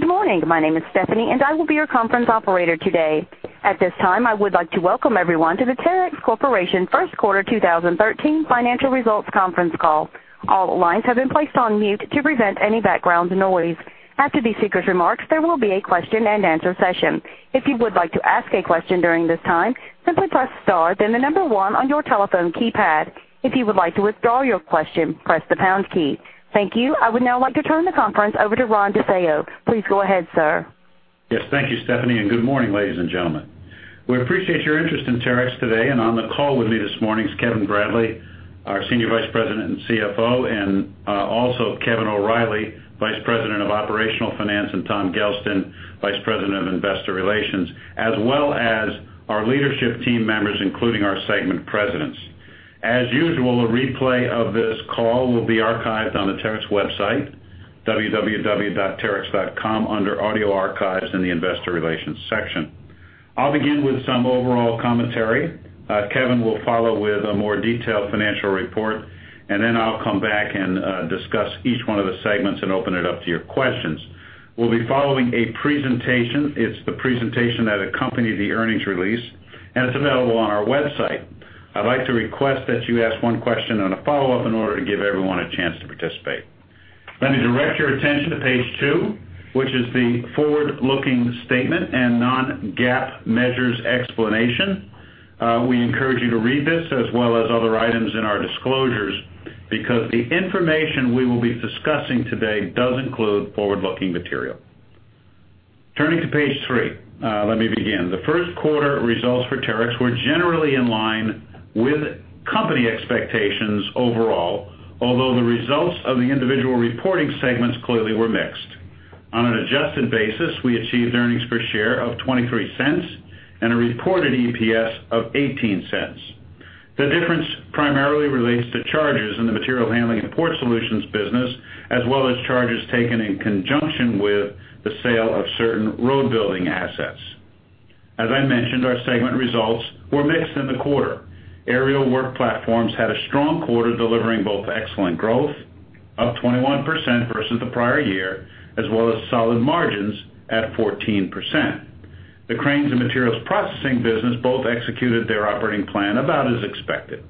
Good morning. My name is Stephanie, and I will be your conference operator today. At this time, I would like to welcome everyone to the Terex Corporation First Quarter 2013 Financial Results Conference Call. All lines have been placed on mute to prevent any background noise. After the speaker's remarks, there will be a question-and-answer session. If you would like to ask a question during this time, simply press star then the number one on your telephone keypad. If you would like to withdraw your question, press the pound key. Thank you. I would now like to turn the conference over to Ron DeFeo. Please go ahead, sir. Yes. Thank you, Stephanie. Good morning, ladies and gentlemen. We appreciate your interest in Terex today. On the call with me this morning is Kevin Bradley, our Senior Vice President and CFO, and also Kevin O'Reilly, Vice President of Operational Finance, and Tom Gelston, Vice President of Investor Relations, as well as our leadership team members, including our segment presidents. As usual, a replay of this call will be archived on the www.terex.com website, under Audio Archives in the Investor Relations section. I'll begin with some overall commentary. Kevin will follow with a more detailed financial report. Then I'll come back and discuss each one of the segments and open it up to your questions. We'll be following a presentation. It's the presentation that accompanied the earnings release, and it's available on our website. I'd like to request that you ask one question and a follow-up in order to give everyone a chance to participate. Let me direct your attention to page two, which is the forward-looking statement and non-GAAP measures explanation. We encourage you to read this as well as other items in our disclosures because the information we will be discussing today does include forward-looking material. Turning to page three, let me begin. The first quarter results for Terex were generally in line with company expectations overall, although the results of the individual reporting segments clearly were mixed. On an adjusted basis, we achieved earnings per share of $0.23 and a reported EPS of $0.18. The difference primarily relates to charges in the Material Handling & Port Solutions business, as well as charges taken in conjunction with the sale of certain road building assets. As I mentioned, our segment results were mixed in the quarter. Aerial Work Platforms had a strong quarter, delivering both excellent growth, up 21% versus the prior year, as well as solid margins at 14%. The Cranes and Materials Processing business both executed their operating plan about as expected.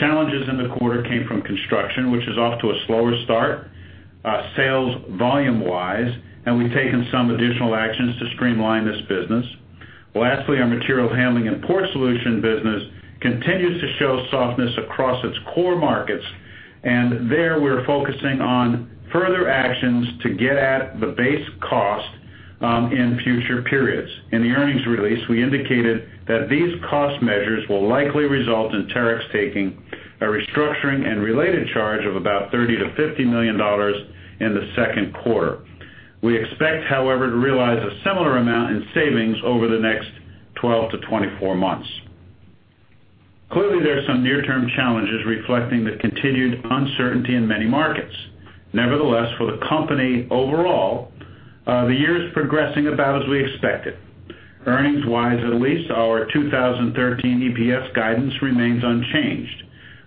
Challenges in the quarter came from construction, which is off to a slower start, sales volume-wise. We've taken some additional actions to streamline this business. Lastly, our Material Handling & Port Solutions business continues to show softness across its core markets. There we're focusing on further actions to get at the base cost in future periods. In the earnings release, we indicated that these cost measures will likely result in Terex taking a restructuring and related charge of about $30 million-$50 million in the second quarter. We expect, however, to realize a similar amount in savings over the next 12 to 24 months. Clearly, there are some near-term challenges reflecting the continued uncertainty in many markets. Nevertheless, for the company overall, the year is progressing about as we expected. Earnings-wise, at least, our 2013 EPS guidance remains unchanged.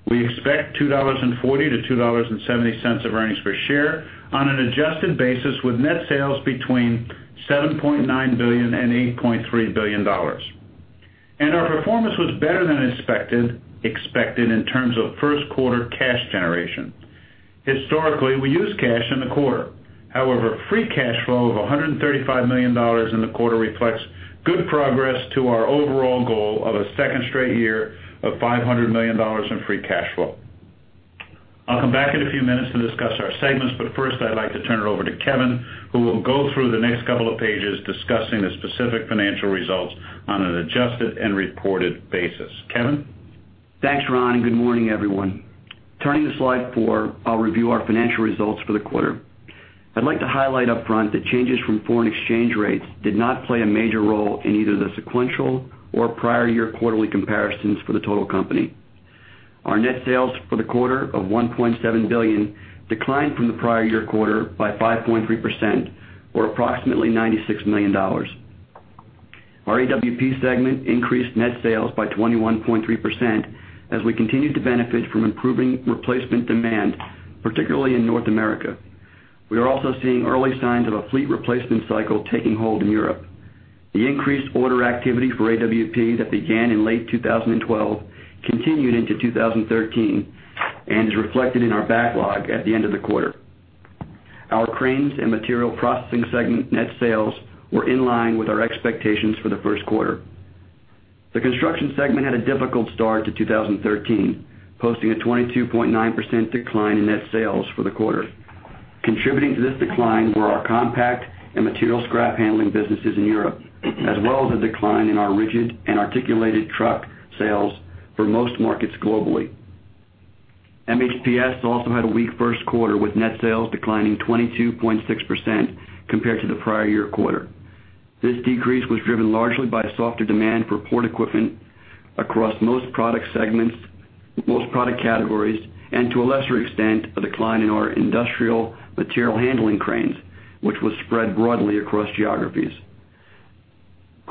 We expect $2.40-$2.70 of earnings per share on an adjusted basis with net sales between $7.9 billion and $8.3 billion. Our performance was better than expected in terms of first quarter cash generation. Historically, we use cash in the quarter. However, free cash flow of $135 million in the quarter reflects good progress to our overall goal of a second straight year of $500 million in free cash flow. I'll come back in a few minutes to discuss our segments, but first I'd like to turn it over to Kevin, who will go through the next couple of pages discussing the specific financial results on an adjusted and reported basis. Kevin? Thanks, Ron, and good morning, everyone. Turning to slide four, I'll review our financial results for the quarter. I'd like to highlight up front that changes from foreign exchange rates did not play a major role in either the sequential or prior year quarterly comparisons for the total company. Our net sales for the quarter of $1.7 billion declined from the prior year quarter by 5.3%, or approximately $96 million. Our AWP segment increased net sales by 21.3% as we continued to benefit from improving replacement demand, particularly in North America. We are also seeing early signs of a fleet replacement cycle taking hold in Europe. The increased order activity for AWP that began in late 2012 continued into 2013 and is reflected in our backlog at the end of the quarter. Our Cranes and Materials Processing segment net sales were in line with our expectations for the first quarter. The construction segment had a difficult start to 2013, posting a 22.9% decline in net sales for the quarter. Contributing to this decline were our compact and material scrap handling businesses in Europe, as well as a decline in our rigid and articulated truck sales for most markets globally. MHPS also had a weak first quarter, with net sales declining 22.6% compared to the prior year quarter. This decrease was driven largely by softer demand for port equipment across most product categories and, to a lesser extent, a decline in our industrial material handling cranes, which was spread broadly across geographies.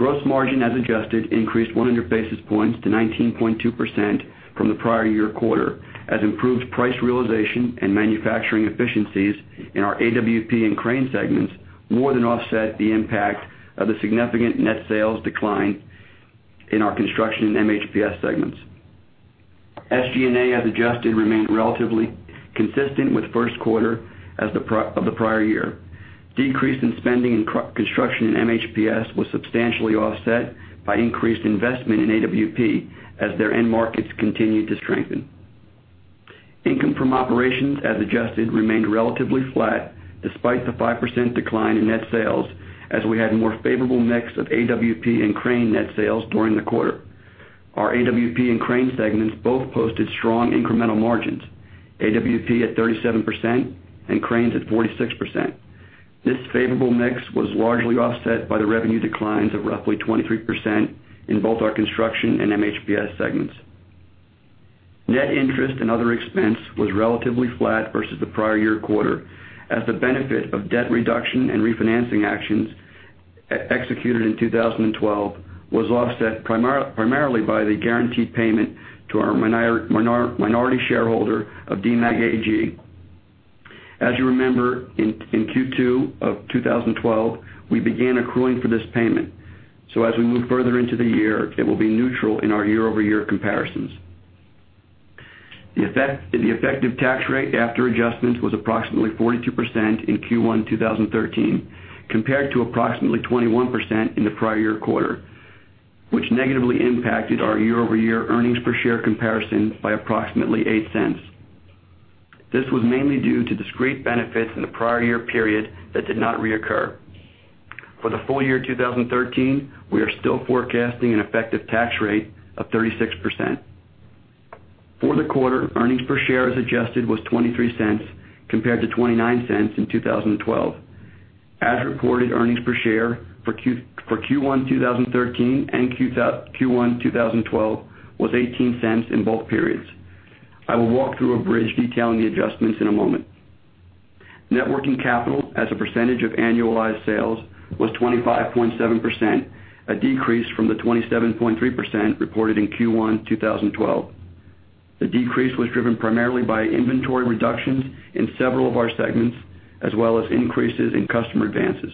Gross margin as adjusted increased 100 basis points to 19.2% from the prior year quarter, as improved price realization and manufacturing efficiencies in our AWP and crane segments more than offset the impact of the significant net sales decline in our construction and MHPS segments. SG&A, as adjusted, remained relatively consistent with first quarter of the prior year. Decrease in spending in construction in MHPS was substantially offset by increased investment in AWP as their end markets continued to strengthen. Income from operations, as adjusted, remained relatively flat despite the 5% decline in net sales, as we had more favorable mix of AWP and crane net sales during the quarter. Our AWP and crane segments both posted strong incremental margins, AWP at 37% and cranes at 46%. This favorable mix was largely offset by the revenue declines of roughly 23% in both our construction and MHPS segments. Net interest and other expense was relatively flat versus the prior year quarter, as the benefit of debt reduction and refinancing actions executed in 2012 was offset primarily by the guaranteed payment to our minority shareholder of Demag AG. As you remember, in Q2 of 2012, we began accruing for this payment. As we move further into the year, it will be neutral in our year-over-year comparisons. The effective tax rate after adjustments was approximately 42% in Q1 2013 compared to approximately 21% in the prior year quarter, which negatively impacted our year-over-year earnings per share comparison by approximately $0.08. This was mainly due to discrete benefits in the prior year period that did not reoccur. For the full year 2013, we are still forecasting an effective tax rate of 36%. For the quarter, earnings per share as adjusted was $0.23 compared to $0.29 in 2012. As reported, earnings per share for Q1 2013 and Q1 2012 was $0.18 in both periods. I will walk through a bridge detailing the adjustments in a moment. Net working capital as a percentage of annualized sales was 25.7%, a decrease from the 27.3% reported in Q1 2012. The decrease was driven primarily by inventory reductions in several of our segments, as well as increases in customer advances.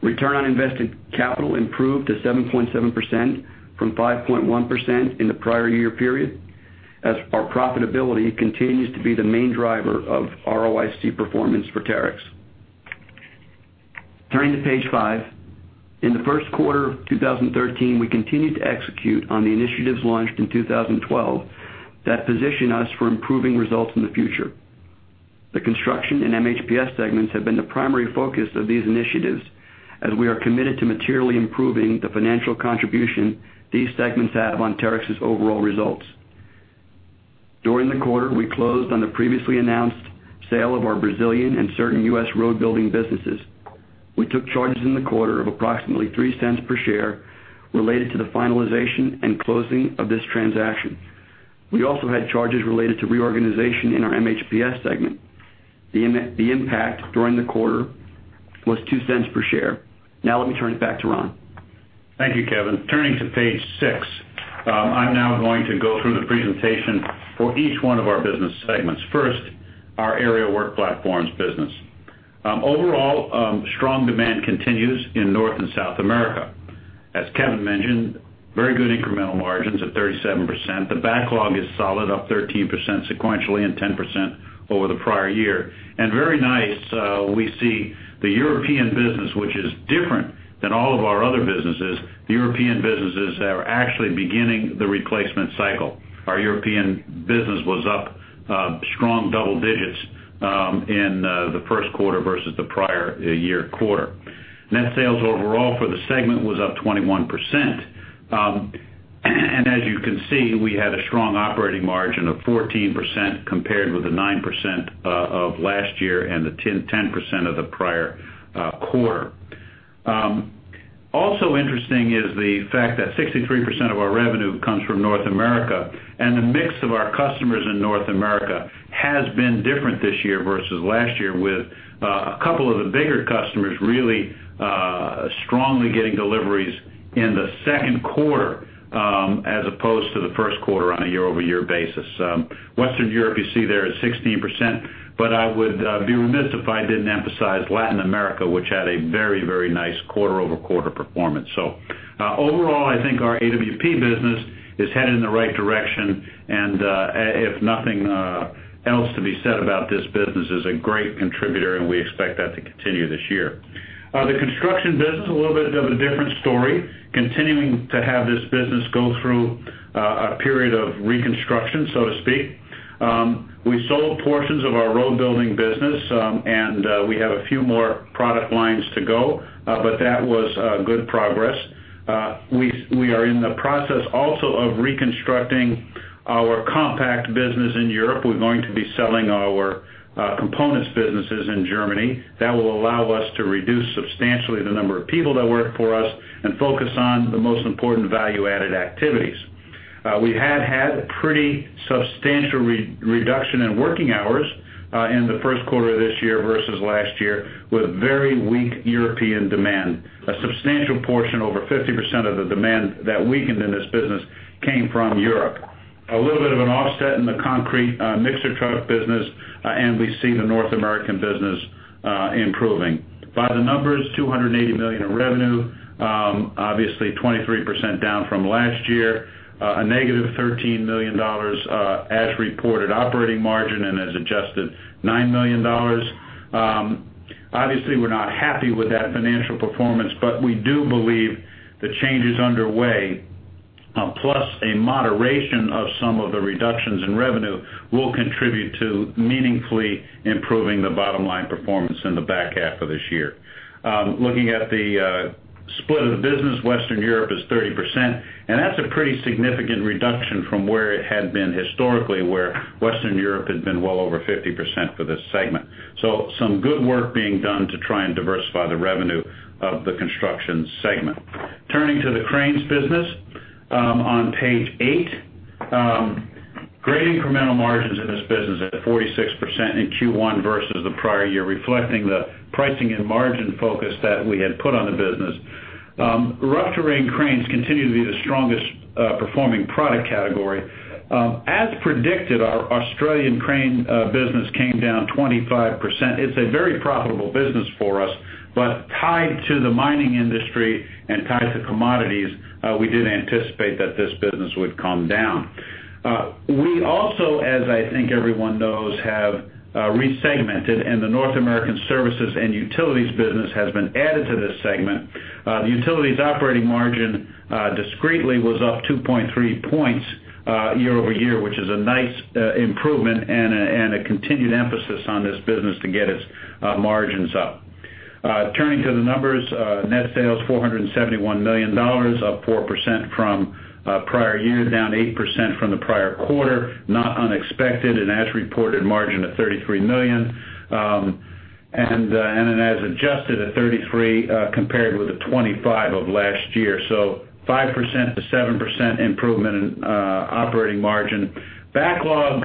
Return on invested capital improved to 7.7% from 5.1% in the prior year period, as our profitability continues to be the main driver of ROIC performance for Terex. Turning to page five. In the first quarter of 2013, we continued to execute on the initiatives launched in 2012 that position us for improving results in the future. The construction and MHPS segments have been the primary focus of these initiatives, as we are committed to materially improving the financial contribution these segments have on Terex's overall results. During the quarter, we closed on the previously announced sale of our Brazilian and certain U.S. road building businesses. We took charges in the quarter of approximately $0.03 per share related to the finalization and closing of this transaction. We also had charges related to reorganization in our MHPS segment. The impact during the quarter was $0.02 per share. Now let me turn it back to Ron. Thank you, Kevin. Turning to page six. I'm now going to go through the presentation for each one of our business segments. First, our Aerial Work Platforms business. Overall, strong demand continues in North and South America. As Kevin mentioned, very good incremental margins of 37%. The backlog is solid, up 13% sequentially and 10% over the prior year. Very nice, we see the European business, which is different than all of our other businesses. The European businesses are actually beginning the replacement cycle. Our European business was up strong double digits in the first quarter versus the prior year quarter. Net sales overall for the segment was up 21%. As you can see, we had a strong operating margin of 14% compared with the 9% of last year and the 10% of the prior quarter. Also interesting is the fact that 63% of our revenue comes from North America, the mix of our customers in North America has been different this year versus last year, with a couple of the bigger customers really strongly getting deliveries in the second quarter as opposed to the first quarter on a year-over-year basis. Western Europe you see there is 16%, I would be remiss if I didn't emphasize Latin America, which had a very nice quarter-over-quarter performance. Overall, I think our AWP business is headed in the right direction, if nothing else to be said about this business, is a great contributor, and we expect that to continue this year. The construction business, a little bit of a different story, continuing to have this business go through a period of reconstruction, so to speak. We sold portions of our road building business, we have a few more product lines to go. That was good progress. We are in the process also of reconstructing our compact business in Europe. We're going to be selling our components businesses in Germany. That will allow us to reduce substantially the number of people that work for us and focus on the most important value-added activities. We had a pretty substantial reduction in working hours in the first quarter of this year versus last year, with very weak European demand. A substantial portion, over 50% of the demand that weakened in this business came from Europe. A little bit of an offset in the concrete mixer truck business, we see the North American business improving. By the numbers, $280 million of revenue, obviously 23% down from last year, a negative $13 million as reported operating margin and as adjusted, $9 million. Obviously, we're not happy with that financial performance, we do believe the change is underway, plus a moderation of some of the reductions in revenue will contribute to meaningfully improving the bottom line performance in the back half of this year. Looking at the split of the business, Western Europe is 30%, that's a pretty significant reduction from where it had been historically, where Western Europe had been well over 50% for this segment. Some good work being done to try and diversify the revenue of the construction segment. Turning to the cranes business, on page eight. Great incremental margins in this business at 46% in Q1 versus the prior year, reflecting the pricing and margin focus that we had put on the business. Rough terrain cranes continue to be the strongest performing product category. As predicted, our Australian crane business came down 25%. It's a very profitable business for us, but tied to the mining industry and tied to commodities, we did anticipate that this business would come down. We also, as I think everyone knows, have re-segmented and the North American Services and Utilities business has been added to this segment. The Utilities operating margin discretely was up 2.3 points year-over-year, which is a nice improvement and a continued emphasis on this business to get its margins up. Turning to the numbers, net sales $471 million, up 4% from prior year, down 8% from the prior quarter, not unexpected. As reported, margin of $33 million. As adjusted at $33 million, compared with the $25 million of last year. 5%-7% improvement in operating margin. Backlog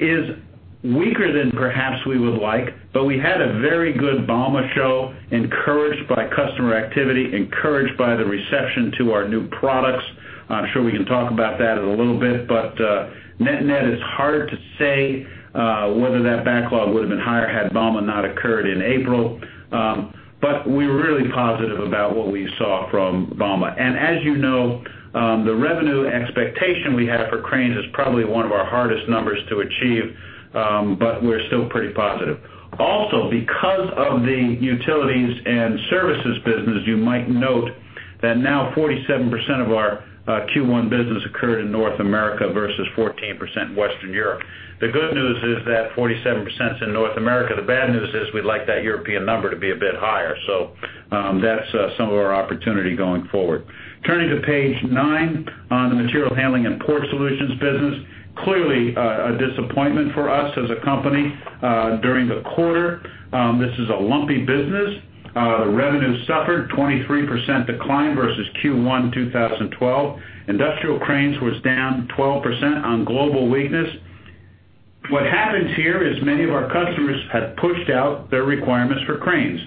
is weaker than perhaps we would like, but we had a very good bauma show, encouraged by customer activity, encouraged by the reception to our new products. I'm sure we can talk about that in a little bit, but net net, it's hard to say whether that backlog would've been higher had bauma not occurred in April. We're really positive about what we saw from bauma. As you know, the revenue expectation we had for cranes is probably one of our hardest numbers to achieve, but we're still pretty positive. Because of the Utilities and Services business, you might note that now 47% of our Q1 business occurred in North America versus 14% Western Europe. The good news is that 47%'s in North America. The bad news is we'd like that European number to be a bit higher. That's some of our opportunity going forward. Turning to page nine, the Material Handling & Port Solutions business. Clearly, a disappointment for us as a company, during the quarter. This is a lumpy business. The revenue suffered 23% decline versus Q1 2012. Industrial cranes was down 12% on global weakness. What happens here is many of our customers had pushed out their requirements for cranes,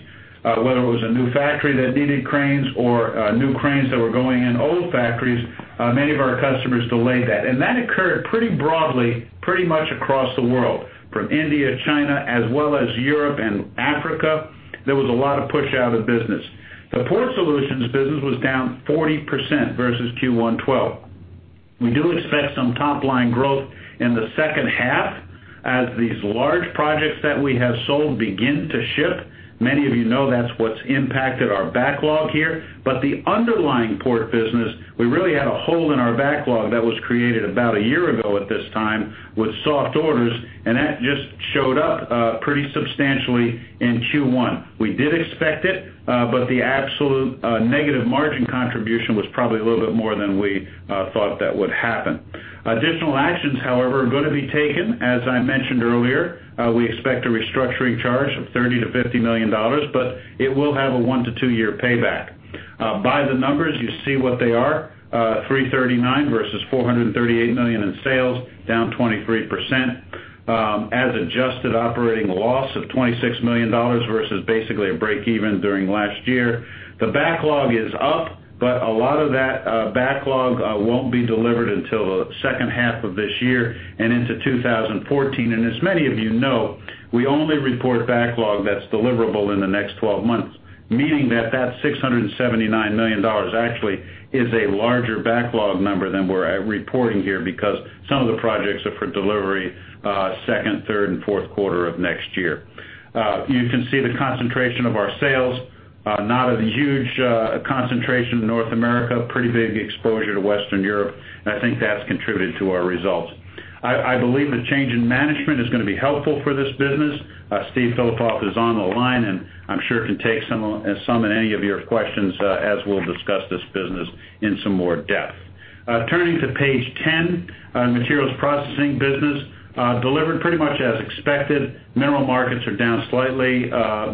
whether it was a new factory that needed cranes or new cranes that were going in old factories. Many of our customers delayed that. That occurred pretty broadly, pretty much across the world, from India, China, as well as Europe and Africa. There was a lot of push out of business. The Port Solutions business was down 40% versus Q1 2012. We do expect some top-line growth in the second half as these large projects that we have sold begin to ship. Many of you know that's what's impacted our backlog here. The underlying Port business, we really had a hole in our backlog that was created about a year ago at this time with soft orders. That just showed up pretty substantially in Q1. We did expect it, but the absolute negative margin contribution was probably a little bit more than we thought that would happen. Additional actions, however, are going to be taken. As I mentioned earlier, we expect a restructuring charge of $30 million-$50 million, it will have a one to two-year payback. By the numbers, you see what they are, $339 million versus $438 million in sales, down 23%. As adjusted, operating loss of $26 million versus basically a break-even during last year. The backlog is up, a lot of that backlog won't be delivered until the second half of this year and into 2014. As many of you know, we only report backlog that's deliverable in the next 12 months, meaning that that $679 million actually is a larger backlog number than we're reporting here because some of the projects are for delivery second, third, and fourth quarter of next year. You can see the concentration of our sales, not a huge concentration in North America. Pretty big exposure to Western Europe, and I think that's contributed to our results. I believe the change in management is going to be helpful for this business. Steve Filipov is on the line, and I'm sure can take some and any of your questions as we'll discuss this business in some more depth. Turning to page 10, Materials Processing business delivered pretty much as expected. Mineral markets are down slightly,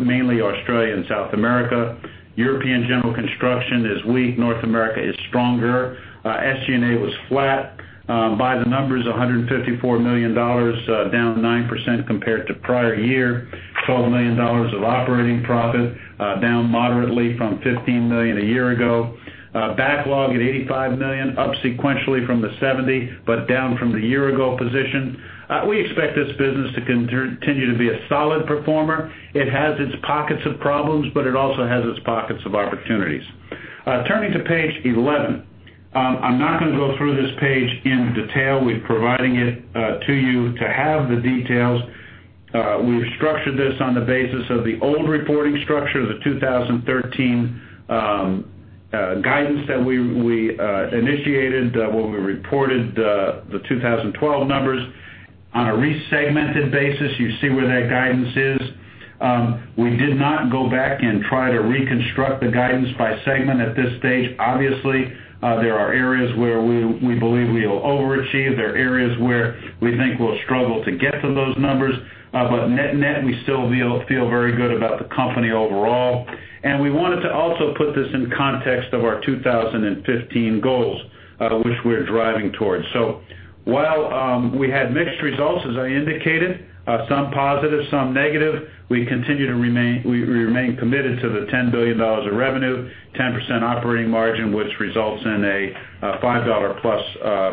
mainly Australia and South America. European general construction is weak. North America is stronger. SG&A was flat. By the numbers, $154 million, down 9% compared to prior year. $12 million of operating profit, down moderately from $15 million a year ago. Backlog at $85 million, up sequentially from the $70 million, but down from the year-ago position. We expect this business to continue to be a solid performer. It has its pockets of problems, but it also has its pockets of opportunities. Turning to page 11. I'm not going to go through this page in detail. We're providing it to you to have the details. We've structured this on the basis of the old reporting structure, the 2013 guidance that we initiated when we reported the 2012 numbers. On a re-segmented basis, you see where that guidance is. We did not go back and try to reconstruct the guidance by segment at this stage. Obviously, there are areas where we believe we'll overachieve. There are areas where we think we'll struggle to get to those numbers. Net-net, we still feel very good about the company overall. We wanted to also put this in context of our 2015 goals, which we're driving towards. While we had mixed results, as I indicated, some positive, some negative, we remain committed to the $10 billion of revenue, 10% operating margin, which results in a $5 plus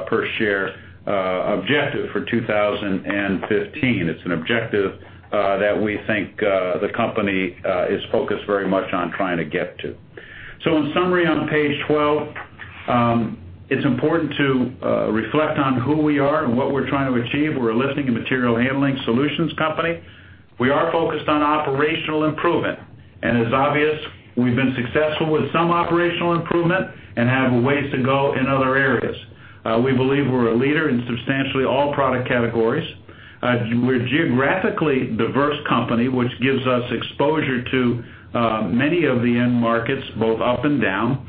per share objective for 2015. It's an objective that we think the company is focused very much on trying to get to. In summary on page 12, it's important to reflect on who we are and what we're trying to achieve. We're a lifting and material handling solutions company. We are focused on operational improvement. It's obvious we've been successful with some operational improvement and have a ways to go in other areas. We believe we're a leader in substantially all product categories. We're a geographically diverse company, which gives us exposure to many of the end markets, both up and down.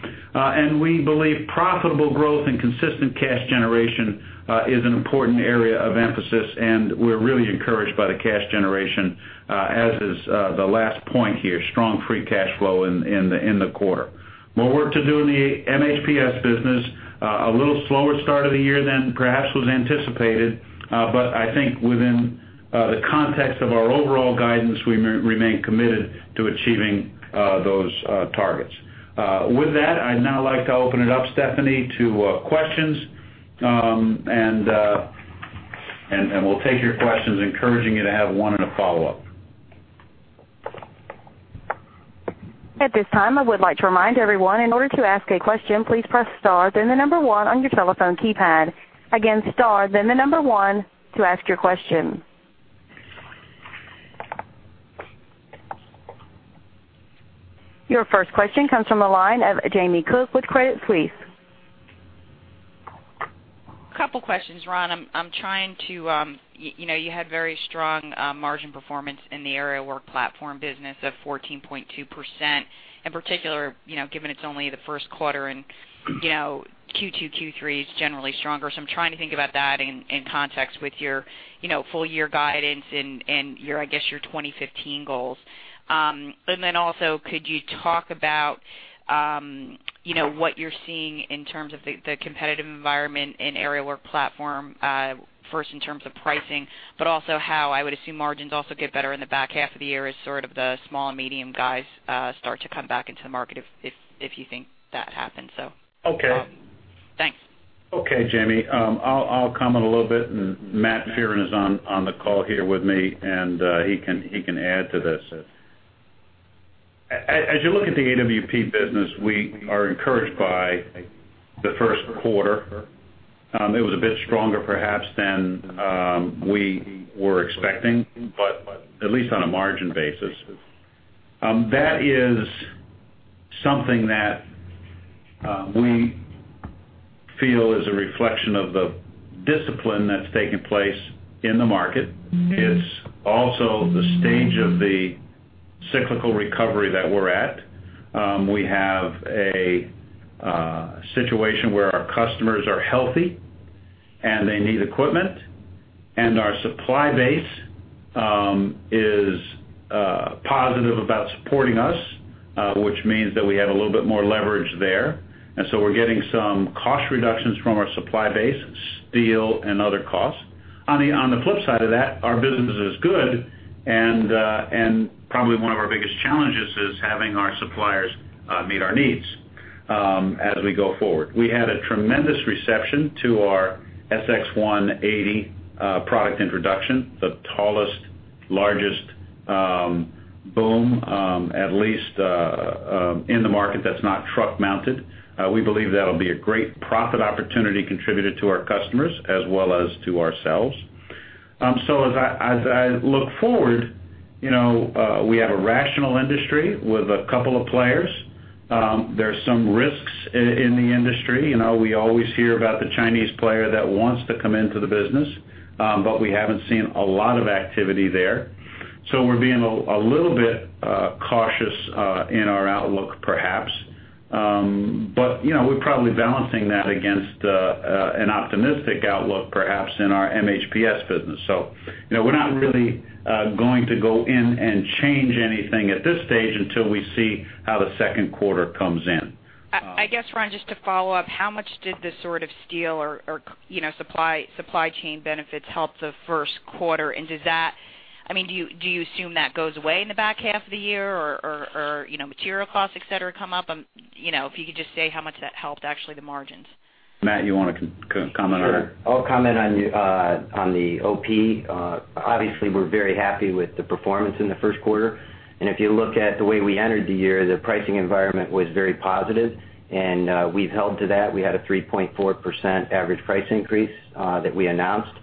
We believe profitable growth and consistent cash generation is an important area of emphasis. We're really encouraged by the cash generation, as is the last point here, strong free cash flow in the quarter. More work to do in the MHPS business. A little slower start of the year than perhaps was anticipated. I think within the context of our overall guidance, we remain committed to achieving those targets. With that, I'd now like to open it up, Stephanie, to questions. We'll take your questions, encouraging you to have one and a follow-up. At this time, I would like to remind everyone, in order to ask a question, please press star, then the number 1 on your telephone keypad. Again, star, then the number 1 to ask your question. Your first question comes from the line of Jamie Cook with Credit Suisse. Couple questions, Ron. You had very strong margin performance in the Aerial Work Platform business of 14.2%, in particular, given it's only the first quarter and Q2, Q3 is generally stronger. I'm trying to think about that in context with your full-year guidance and your 2015 goals. Also, could you talk about what you're seeing in terms of the competitive environment in Aerial Work Platform, first in terms of pricing, but also how I would assume margins also get better in the back half of the year as sort of the small and medium guys start to come back into the market, if you think that happened. Okay. Thanks. Okay, Jamie. I'll comment a little bit, and Matt Fearon is on the call here with me, and he can add to this. As you look at the AWP business, we are encouraged by the first quarter. It was a bit stronger, perhaps, than we were expecting, but at least on a margin basis. That is something that we feel is a reflection of the discipline that's taken place in the market. It's also the stage of the cyclical recovery that we're at. We have a situation where our customers are healthy and they need equipment, and our supply base is positive about supporting us, which means that we have a little bit more leverage there. We're getting some cost reductions from our supply base, steel and other costs. On the flip side of that, our business is good. Probably one of our biggest challenges is having our suppliers meet our needs as we go forward. We had a tremendous reception to our SX-180 product introduction, the tallest, largest boom, at least in the market that's not truck mounted. We believe that'll be a great profit opportunity contributed to our customers as well as to ourselves. As I look forward, we have a rational industry with a couple of players. There's some risks in the industry. We always hear about the Chinese player that wants to come into the business, but we haven't seen a lot of activity there. We're being a little bit cautious in our outlook, perhaps. We're probably balancing that against an optimistic outlook, perhaps, in our MHPS business. We're not really going to go in and change anything at this stage until we see how the second quarter comes in. I guess, Ron, just to follow up, how much did the sort of steel or supply chain benefits help the first quarter? Do you assume that goes away in the back half of the year or material costs, et cetera, come up? If you could just say how much that helped, actually, the margins. Matt, you want to comment on it? Sure. I'll comment on the OP. Obviously, we're very happy with the performance in the first quarter. If you look at the way we entered the year, the pricing environment was very positive, and we've held to that. We had a 3.4% average price increase that we announced.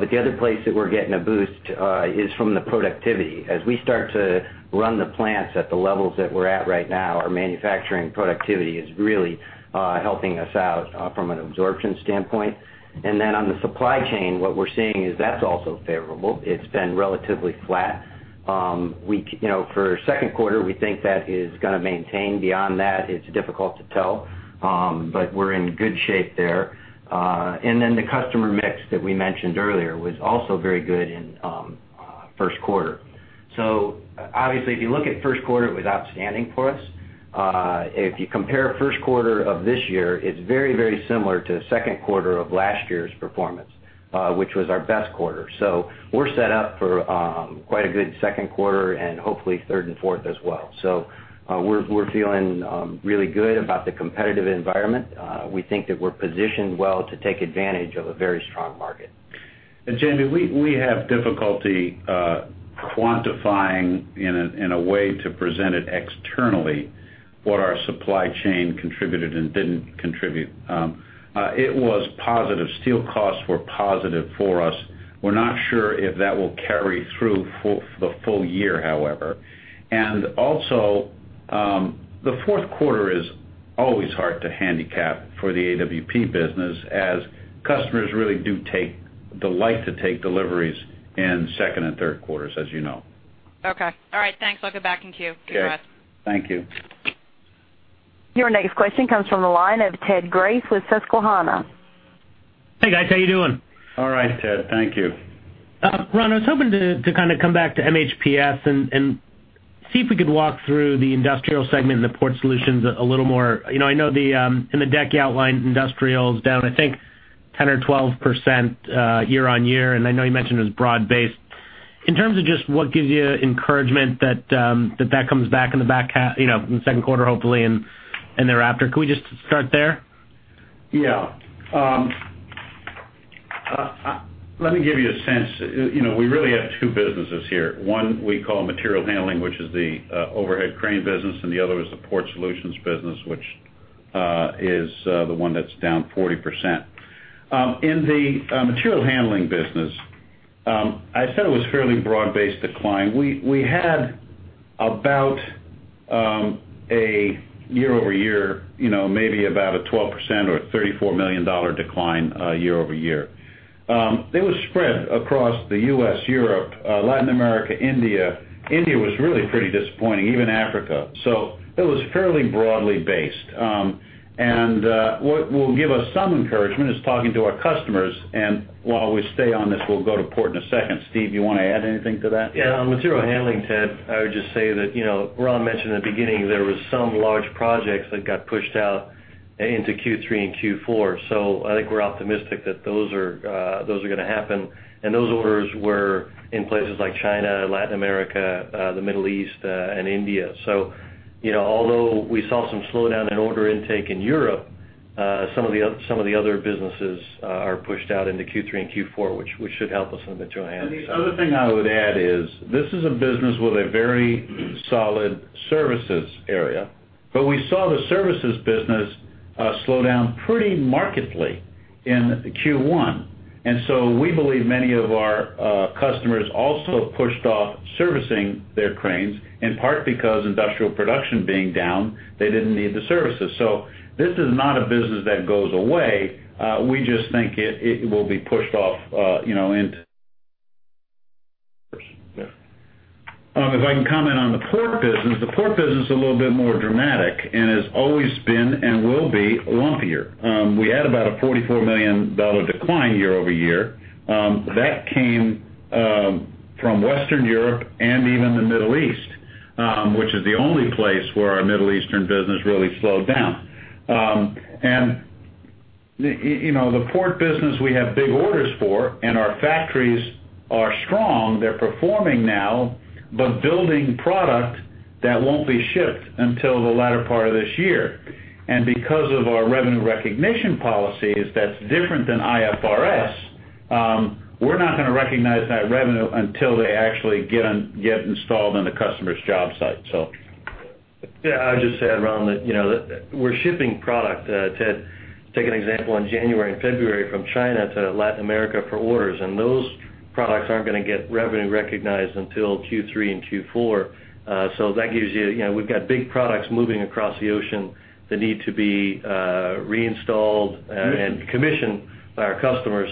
The other place that we're getting a boost is from the productivity. As we start to run the plants at the levels that we're at right now, our manufacturing productivity is really helping us out from an absorption standpoint. On the supply chain, what we're seeing is that's also favorable. It's been relatively flat. For second quarter, we think that is going to maintain. Beyond that, it's difficult to tell. We're in good shape there. The customer mix that we mentioned earlier was also very good in first quarter. Obviously, if you look at first quarter, it was outstanding for us. If you compare first quarter of this year, it's very similar to second quarter of last year's performance, which was our best quarter. We're set up for quite a good second quarter and hopefully third and fourth as well. We're feeling really good about the competitive environment. We think that we're positioned well to take advantage of a very strong market. Jamie, we have difficulty quantifying in a way to present it externally what our supply chain contributed and didn't contribute. It was positive. Steel costs were positive for us. We're not sure if that will carry through for the full year, however. The fourth quarter is always hard to handicap for the AWP business, as customers really do delight to take deliveries in second and third quarters, as you know. Okay. All right. Thanks. I'll get back in queue. Okay. Enjoy the rest. Thank you. Your next question comes from the line of Ted Grace with Susquehanna. Hey, guys. How you doing? All right, Ted. Thank you. Ron, I was hoping to kind of come back to MHPS and see if we could walk through the industrial segment and the Port Solutions a little more. I know in the deck you outlined industrial is down, I think 10 or 12% year-on-year, and I know you mentioned it was broad based. In terms of just what gives you encouragement that comes back in the second quarter, hopefully, and thereafter. Could we just start there? Yeah. Let me give you a sense. We really have two businesses here. One we call Material Handling, which is the overhead crane business, and the other is the Port Solutions business, which is the one that's down 40%. In the Material Handling business, I said it was fairly broad-based decline. We had about a year-over-year, maybe about a 12% or a $34 million decline a year-over-year. It was spread across the U.S., Europe, Latin America, India. India was really pretty disappointing, even Africa. It was fairly broadly based. What will give us some encouragement is talking to our customers, and while we stay on this, we'll go to port in a second. Steve, you want to add anything to that? Yeah. On Material Handling, Ted, I would just say that Ron mentioned in the beginning, there was some large projects that got pushed out into Q3 and Q4. I think we're optimistic that those are going to happen. Those orders were in places like China, Latin America, the Middle East, and India. Although we saw some slowdown in order intake in Europe, some of the other businesses are pushed out into Q3 and Q4, which should help us in the Material Handling. The other thing I would add is this is a business with a very solid services area. We saw the services business slow down pretty markedly in Q1. We believe many of our customers also pushed off servicing their cranes, in part because industrial production being down, they didn't need the services. This is not a business that goes away. We just think it will be pushed off into Q1. If I can comment on the port business, the port business is a little bit more dramatic and has always been and will be lumpier. We had about a $44 million decline year-over-year. That came from Western Europe and even the Middle East, which is the only place where our Middle Eastern business really slowed down. The port business we have big orders for, and our factories are strong. They're performing now, building product that won't be shipped until the latter part of this year. Because of our revenue recognition policies that's different than IFRS, we're not going to recognize that revenue until they actually get installed on the customer's job site. Yeah, I'll just add, Ron, that we're shipping product, Ted. To take an example, in January and February from China to Latin America for orders, those products aren't going to get revenue recognized until Q3 and Q4. That gives you, we've got big products moving across the ocean that need to be reinstalled and commissioned by our customers.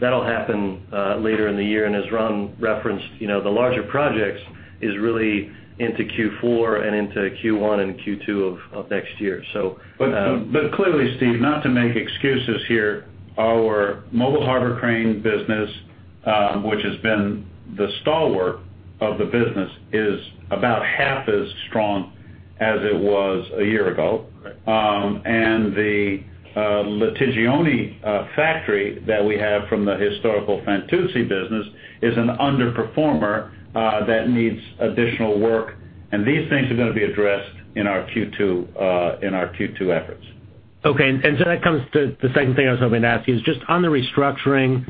That'll happen later in the year. As Ron referenced, the larger projects is really into Q4 and into Q1 and Q2 of next year. Clearly, Steve, not to make excuses here, our mobile harbor crane business which has been the stalwart of the business is about half as strong as it was a year ago. Right. The Luzzara factory that we have from the historical Fantuzzi business is an underperformer that needs additional work, and these things are going to be addressed in our Q2 efforts. Okay. That comes to the second thing I was hoping to ask you, is just on the restructuring,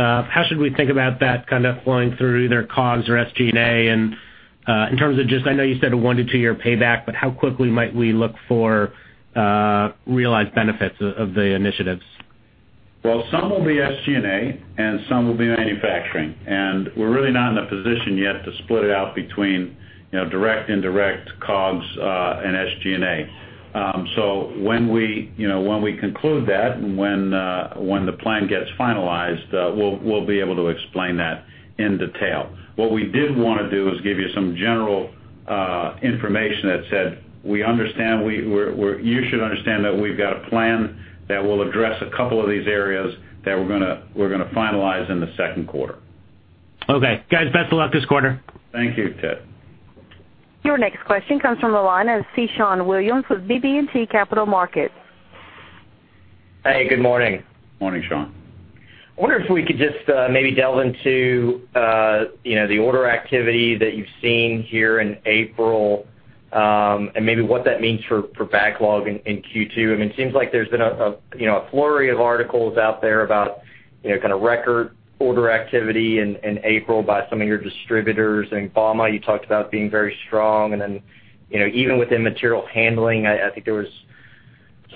how should we think about that kind of flowing through either COGS or SG&A? In terms of just, I know you said a one- to two-year payback, but how quickly might we look for realized benefits of the initiatives? Well, some will be SG&A, and some will be manufacturing. We're really not in a position yet to split it out between direct, indirect COGS and SG&A. When we conclude that, when the plan gets finalized, we'll be able to explain that in detail. What we did want to do is give you some general information that said, you should understand that we've got a plan that will address a couple of these areas that we're going to finalize in the second quarter. Okay. Guys, best of luck this quarter. Thank you, Ted. Your next question comes from the line of C. Scott Williams with BB&T Capital Markets. Hey, good morning. Morning, Scott. I wonder if we could just maybe delve into the order activity that you've seen here in April, and maybe what that means for backlog in Q2. I mean, it seems like there's been a flurry of articles out there about kind of record order activity in April by some of your distributors. In bauma, you talked about being very strong. Then, even within material handling, I think there was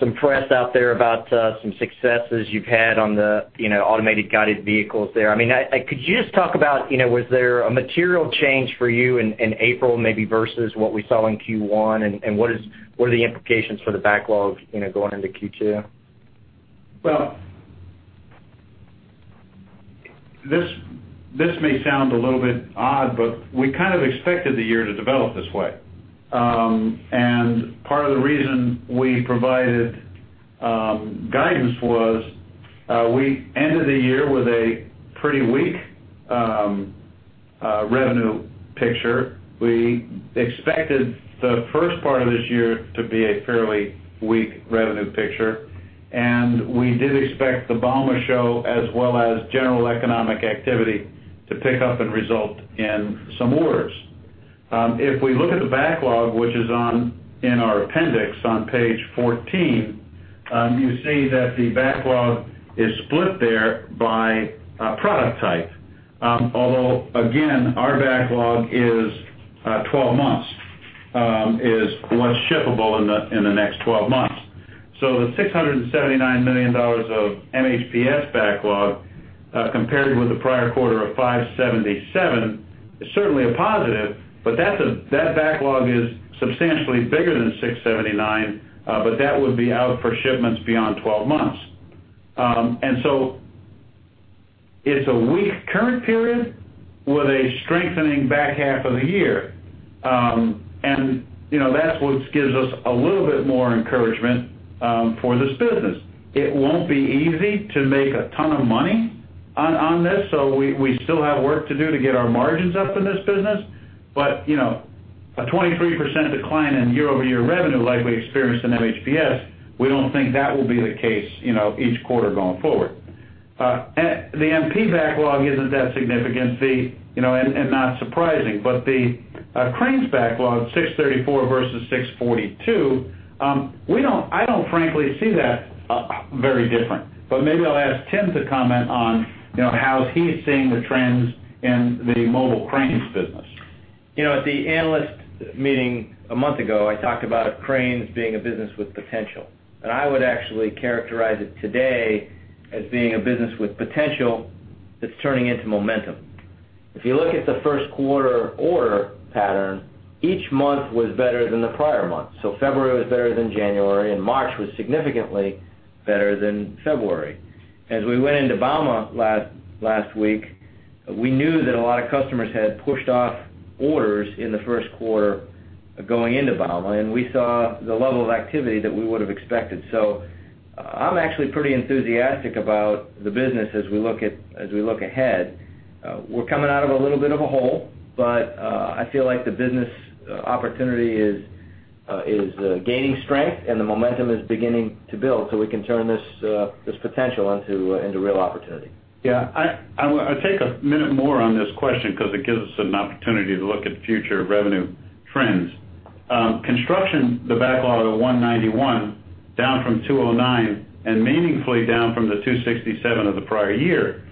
some press out there about some successes you've had on the automated guided vehicles there. Could you just talk about, was there a material change for you in April, maybe versus what we saw in Q1, and what are the implications for the backlog going into Q2? Well, this may sound a little bit odd, but we kind of expected the year to develop this way. Part of the reason we provided guidance was, we ended the year with a pretty weak revenue picture. We expected the first part of this year to be a fairly weak revenue picture, and we did expect the bauma show, as well as general economic activity to pick up and result in some orders. If we look at the backlog, which is in our appendix on page 14, you see that the backlog is split there by product type. Although, again, our backlog is 12 months, is what's shippable in the next 12 months. So the $679 million of MHPS backlog compared with the prior quarter of $577 million, is certainly a positive, but that backlog is substantially bigger than $679 million, but that would be out for shipments beyond 12 months. It's a weak current period with a strengthening back half of the year. That's what gives us a little bit more encouragement for this business. It won't be easy to make a ton of money on this, so we still have work to do to get our margins up in this business. A 23% decline in year-over-year revenue like we experienced in MHPS, we don't think that will be the case each quarter going forward. The MP backlog isn't that significant, and not surprising. The cranes backlog, $634 million versus $642 million, I don't frankly see that very different. Maybe I'll ask Tim to comment on how he's seeing the trends in the mobile cranes business. At the analyst meeting a month ago, I talked about cranes being a business with potential. I would actually characterize it today as being a business with potential that's turning into momentum. If you look at the first quarter order pattern, each month was better than the prior month. February was better than January, and March was significantly better than February. As we went into bauma last week, we knew that a lot of customers had pushed off orders in the first quarter going into bauma, and we saw the level of activity that we would've expected. I'm actually pretty enthusiastic about the business as we look ahead. We're coming out of a little bit of a hole, but I feel like the business opportunity is gaining strength and the momentum is beginning to build so we can turn this potential into real opportunity. Yeah. I'll take a minute more on this question because it gives us an opportunity to look at future revenue trends. Construction, the backlog of $191 million, down from $209 million, and meaningfully down from the $267 million of the prior year.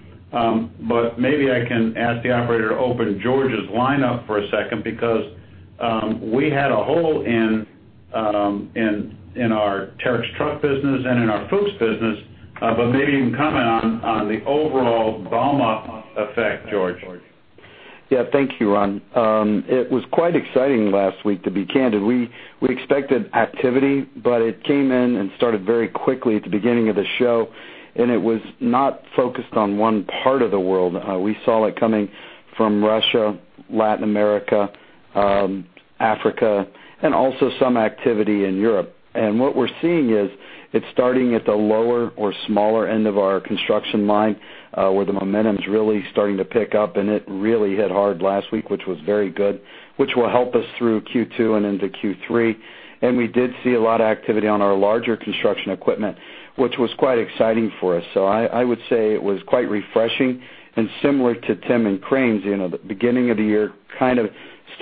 Maybe I can ask the operator to open George's line up for a second because we had a hole in our Terex truck business and in our Fuchs business, but maybe you can comment on the overall bauma effect, George. Yeah. Thank you, Ron. It was quite exciting last week, to be candid. We expected activity, but it came in and started very quickly at the beginning of the show, and it was not focused on one part of the world. We saw it coming from Russia, Latin America, Africa, and also some activity in Europe. What we're seeing is it starting at the lower or smaller end of our construction line, where the momentum's really starting to pick up, and it really hit hard last week, which was very good, which will help us through Q2 and into Q3. We did see a lot of activity on our larger construction equipment, which was quite exciting for us. I would say it was quite refreshing and similar to Tim and Cranes. The beginning of the year kind of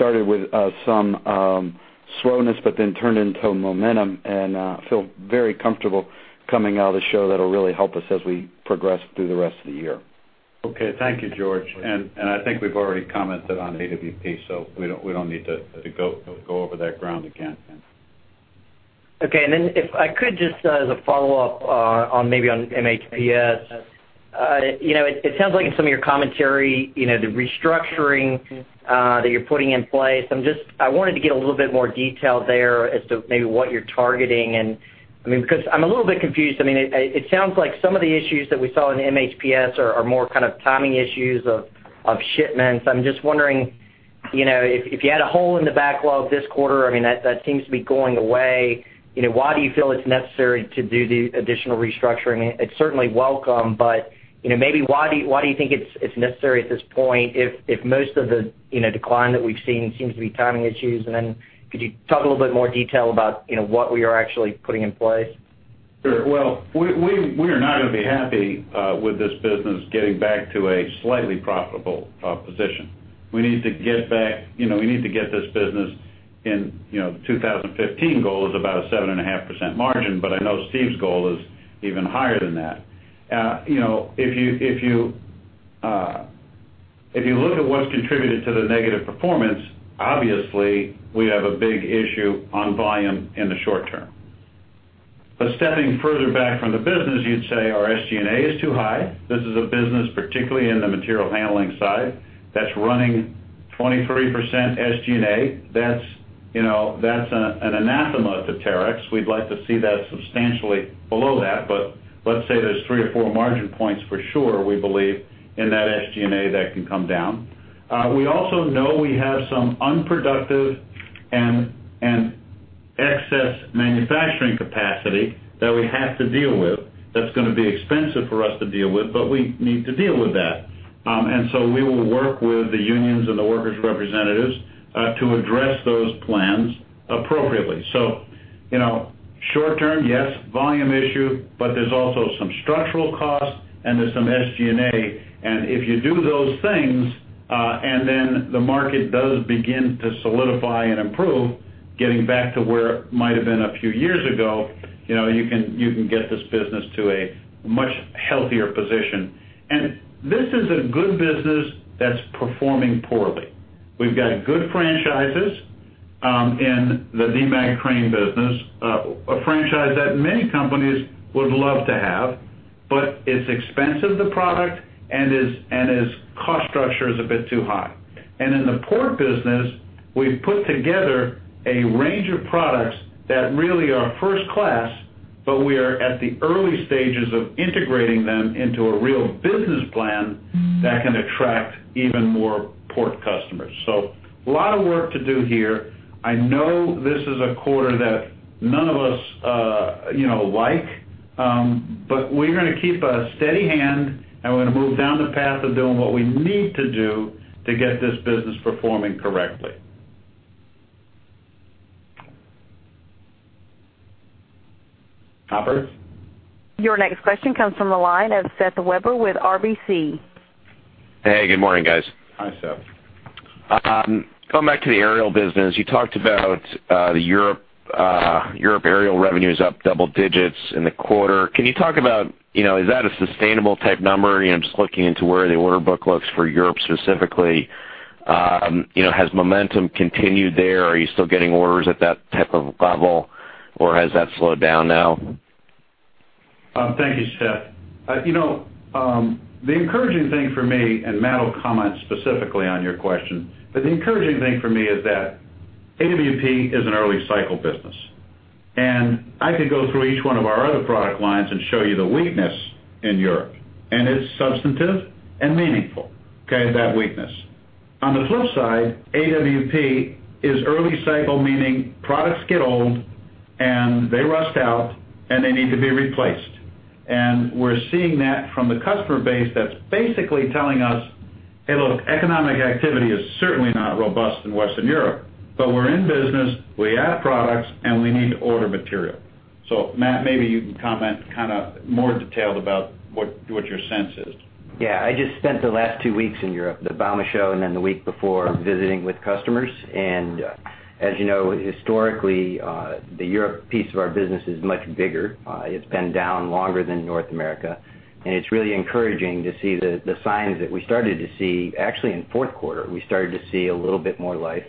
started with some slowness but then turned into momentum and feel very comfortable coming out of the show that'll really help us as we progress through the rest of the year. Okay. Thank you, George. I think we've already commented on AWP, so we don't need to go over that ground again. Okay. If I could just, as a follow-up, on maybe on MHPS. It sounds like in some of your commentary, the restructuring that you're putting in place, I wanted to get a little bit more detail there as to maybe what you're targeting. I'm a little bit confused. It sounds like some of the issues that we saw in MHPS are more kind of timing issues of shipments. I'm just wondering, if you had a hole in the backlog this quarter, that seems to be going away. Why do you feel it's necessary to do the additional restructuring? It's certainly welcome, but maybe why do you think it's necessary at this point if most of the decline that we've seen seems to be timing issues? Could you talk a little bit more detail about what we are actually putting in place? Sure. Well, we are not going to be happy with this business getting back to a slightly profitable position. We need to get this business in, the 2015 goal is about a 7.5% margin, but I know Steve's goal is even higher than that. If you look at what's contributed to the negative performance, obviously, we have a big issue on volume in the short term. Stepping further back from the business, you'd say our SG&A is too high. This is a business, particularly in the material handling side, that's running 23% SG&A. That's an anathema to Terex. We'd like to see that substantially below that, but let's say there's three or four margin points for sure, we believe, in that SG&A that can come down. We also know we have some unproductive and excess manufacturing capacity that we have to deal with. That's going to be expensive for us to deal with, but we need to deal with that. We will work with the unions and the workers' representatives to address those plans appropriately. Short term, yes, volume issue, but there's also some structural costs, and there's some SG&A, and if you do those things, and then the market does begin to solidify and improve, getting back to where it might've been a few years ago, you can get this business to a much healthier position. This is a good business that's performing poorly. We've got good franchises in the Demag Cranes business, a franchise that many companies would love to have, but it's expensive, the product, and its cost structure is a bit too high. In the port business, we've put together a range of products that really are first class, but we are at the early stages of integrating them into a real business plan that can attract even more port customers. A lot of work to do here. I know this is a quarter that none of us like, but we're going to keep a steady hand, and we're going to move down the path of doing what we need to do to get this business performing correctly. Operator? Your next question comes from the line of Seth Weber with RBC. Hey, good morning, guys. Hi, Seth. Going back to the Aerial business, you talked about the Europe Aerial revenues up double digits in the quarter. Can you talk about, is that a sustainable type number? Just looking into where the order book looks for Europe specifically. Has momentum continued there? Are you still getting orders at that type of level, or has that slowed down now? Thank you, Seth. The encouraging thing for me, Matt will comment specifically on your question, but the encouraging thing for me is that AWP is an early cycle business. I could go through each one of our other product lines and show you the weakness in Europe, and it's substantive and meaningful, okay, that weakness. On the flip side, AWP is early cycle, meaning products get old, and they rust out, and they need to be replaced. We're seeing that from the customer base that's basically telling us, "Hey, look, economic activity is certainly not robust in Western Europe, but we're in business, we add products, and we need to order material." Matt, maybe you can comment kind of more detailed about what your sense is. I just spent the last 2 weeks in Europe, the bauma show, and then the week before visiting with customers. As you know, historically, the Europe piece of our business is much bigger. It's been down longer than North America, and it's really encouraging to see the signs that we started to see actually in fourth quarter. We started to see a little bit more life,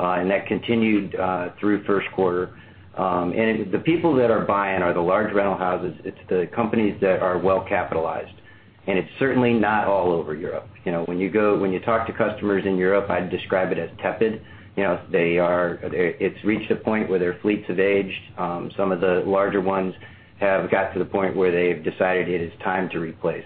and that continued through first quarter. The people that are buying are the large rental houses. It's the companies that are well-capitalized It's certainly not all over Europe. When you talk to customers in Europe, I'd describe it as tepid. It's reached a point where their fleets have aged. Some of the larger ones have got to the point where they've decided it is time to replace.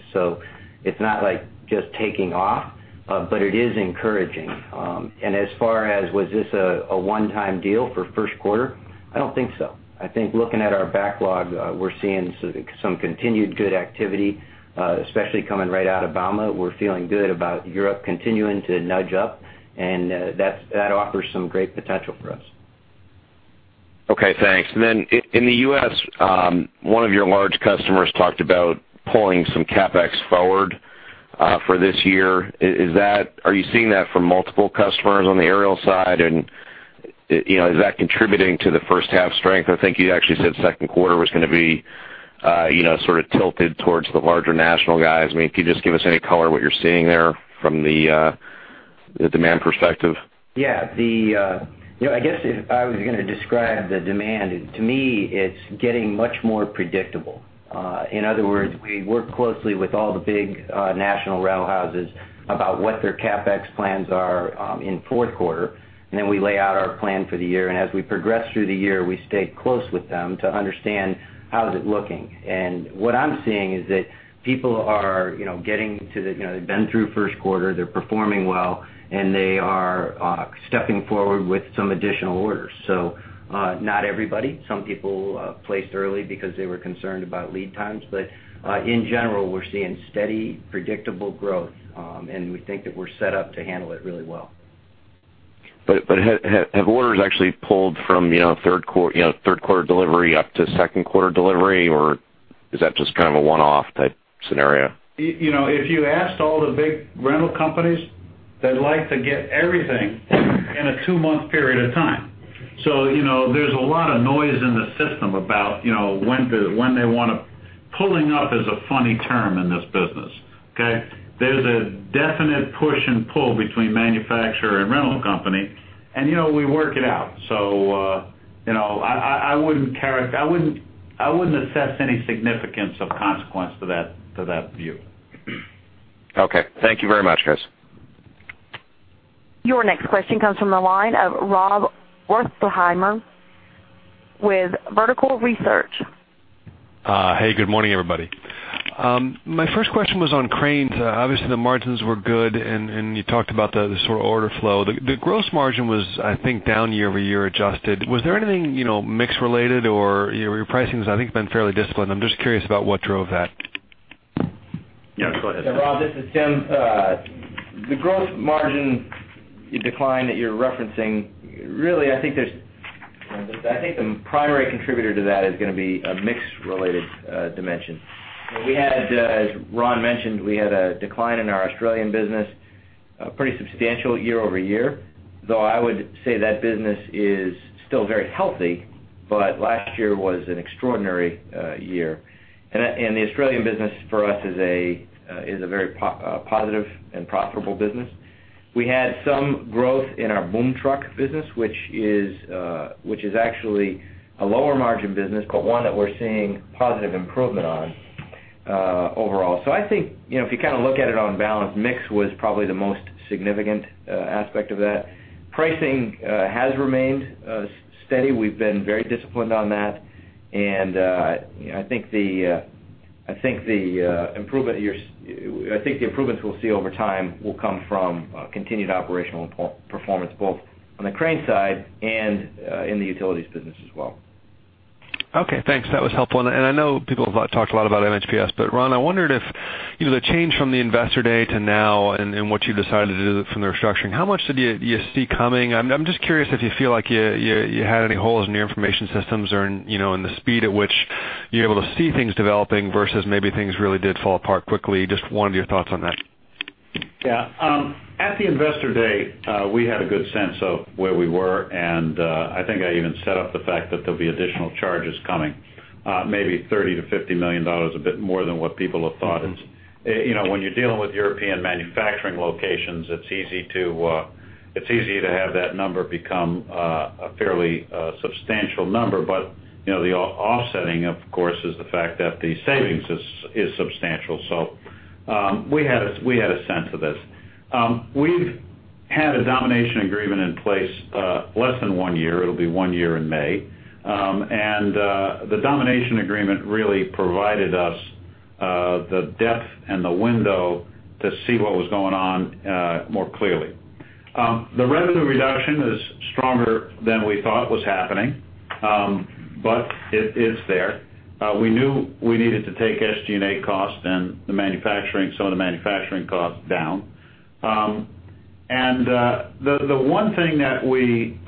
It's not like just taking off, but it is encouraging. As far as, was this a one-time deal for first quarter? I don't think so. I think looking at our backlog, we're seeing some continued good activity, especially coming right out of bauma. We're feeling good about Europe continuing to nudge up, and that offers some great potential for us. Okay, thanks. In the U.S., one of your large customers talked about pulling some CapEx forward for this year. Are you seeing that from multiple customers on the aerial side? Is that contributing to the first half strength? I think you actually said second quarter was going to be sort of tilted towards the larger national guys. Can you just give us any color what you're seeing there from the demand perspective? Yeah. I guess if I was going to describe the demand, to me, it's getting much more predictable. In other words, we work closely with all the big national rail houses about what their CapEx plans are in fourth quarter, then we lay out our plan for the year. As we progress through the year, we stay close with them to understand how is it looking. What I'm seeing is that They've been through first quarter, they're performing well, and they are stepping forward with some additional orders. Not everybody. Some people placed early because they were concerned about lead times. In general, we're seeing steady, predictable growth. We think that we're set up to handle it really well. Have orders actually pulled from third quarter delivery up to second quarter delivery? Is that just kind of a one-off type scenario? If you asked all the big rental companies, they'd like to get everything in a two-month period of time. There's a lot of noise in the system about when they want to. Pulling up is a funny term in this business, okay? There's a definite push and pull between manufacturer and rental company, and we work it out. I wouldn't assess any significance of consequence to that view. Okay. Thank you very much, guys. Your next question comes from the line of Rob Wertheimer with Vertical Research. Hey, good morning, everybody. My first question was on cranes. Obviously, the margins were good, and you talked about the sort of order flow. The gross margin was, I think, down year-over-year, adjusted. Was there anything mix-related, or your pricing has, I think, been fairly disciplined. I'm just curious about what drove that. Yeah, go ahead. Rob, this is Tim. The gross margin decline that you're referencing, really, I think the primary contributor to that is going to be a mix-related dimension. As Ron mentioned, we had a decline in our Australian business, pretty substantial year-over-year, though I would say that business is still very healthy, but last year was an extraordinary year. The Australian business for us is a very positive and profitable business. We had some growth in our boom truck business, which is actually a lower margin business, but one that we're seeing positive improvement on overall. I think, if you kind of look at it on balance, mix was probably the most significant aspect of that. Pricing has remained steady. We've been very disciplined on that. I think the improvements we'll see over time will come from continued operational performance, both on the crane side and in the utilities business as well. Okay, thanks. That was helpful. I know people have talked a lot about MHPS, but Ron, I wondered if the change from the investor day to now and what you've decided to do from the restructuring, how much did you see coming? I'm just curious if you feel like you had any holes in your information systems or in the speed at which you're able to see things developing versus maybe things really did fall apart quickly. Just wanted your thoughts on that. Yeah. At the investor day, we had a good sense of where we were. I think I even set up the fact that there'll be additional charges coming, maybe $30 million-$50 million, a bit more than what people have thought. When you're dealing with European manufacturing locations, it's easy to have that number become a fairly substantial number. The offsetting, of course, is the fact that the savings is substantial. We had a sense of this. We've had a domination agreement in place less than one year. It'll be one year in May. The domination agreement really provided us the depth and the window to see what was going on more clearly. The revenue reduction is stronger than we thought was happening, but it is there. We knew we needed to take SG&A cost and some of the manufacturing costs down. The one thing that we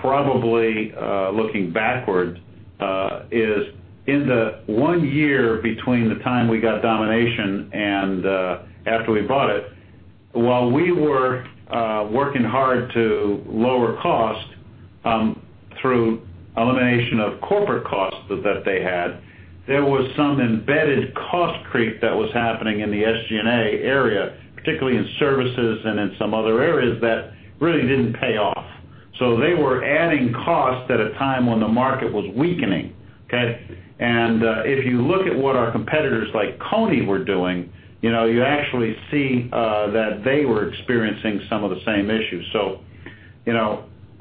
probably, looking backwards, is in the one year between the time we got domination and after we bought it, while we were working hard to lower cost through elimination of corporate costs that they had, there was some embedded cost creep that was happening in the SG&A area, particularly in services and in some other areas that really didn't pay off. They were adding costs at a time when the market was weakening. Okay. If you look at what our competitors like Konecranes were doing, you actually see that they were experiencing some of the same issues.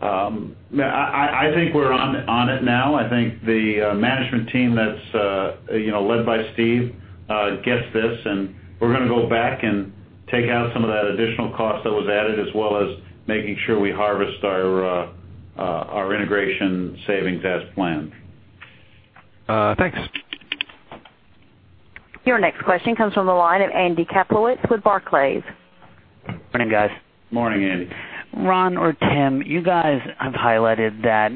I think we're on it now. I think the management team that's led by Steve gets this. We're going to go back and take out some of that additional cost that was added, as well as making sure we harvest our integration savings as planned. Thanks. Your next question comes from the line of Andrew Kaplowitz with Barclays. Morning, guys. Morning, Andy. Ron or Tim, you guys have highlighted that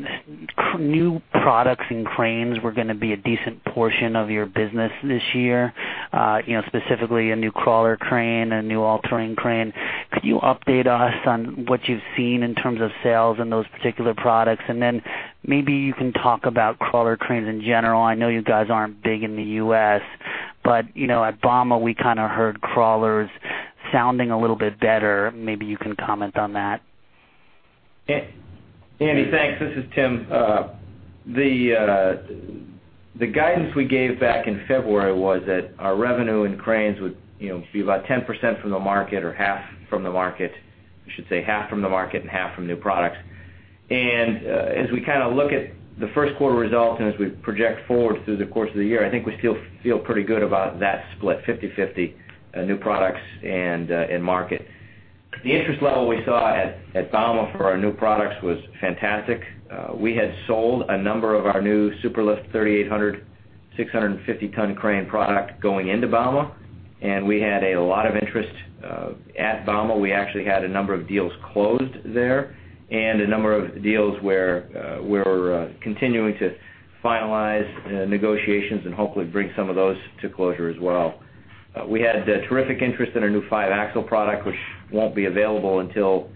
new products and cranes were going to be a decent portion of your business this year, specifically a new crawler crane, a new all-terrain crane. Could you update us on what you've seen in terms of sales in those particular products? Then maybe you can talk about crawler cranes in general. I know you guys aren't big in the U.S., but at bauma, we kind of heard crawlers sounding a little bit better. Maybe you can comment on that. Andy, thanks. This is Tim. The guidance we gave back in February was that our revenue and cranes would be about 10% from the market, or half from the market, I should say, half from the market and half from new products. As we kind of look at the first quarter results and as we project forward through the course of the year, I think we still feel pretty good about that split, 50/50 new products and market. The interest level we saw at bauma for our new products was fantastic. We had sold a number of our new Superlift 3800 650-ton crane product going into bauma. We had a lot of interest at bauma. We actually had a number of deals closed there. A number of deals where we're continuing to finalize negotiations. Hopefully bring some of those to closure as well. We had terrific interest in our new five-axle product, which won't be available until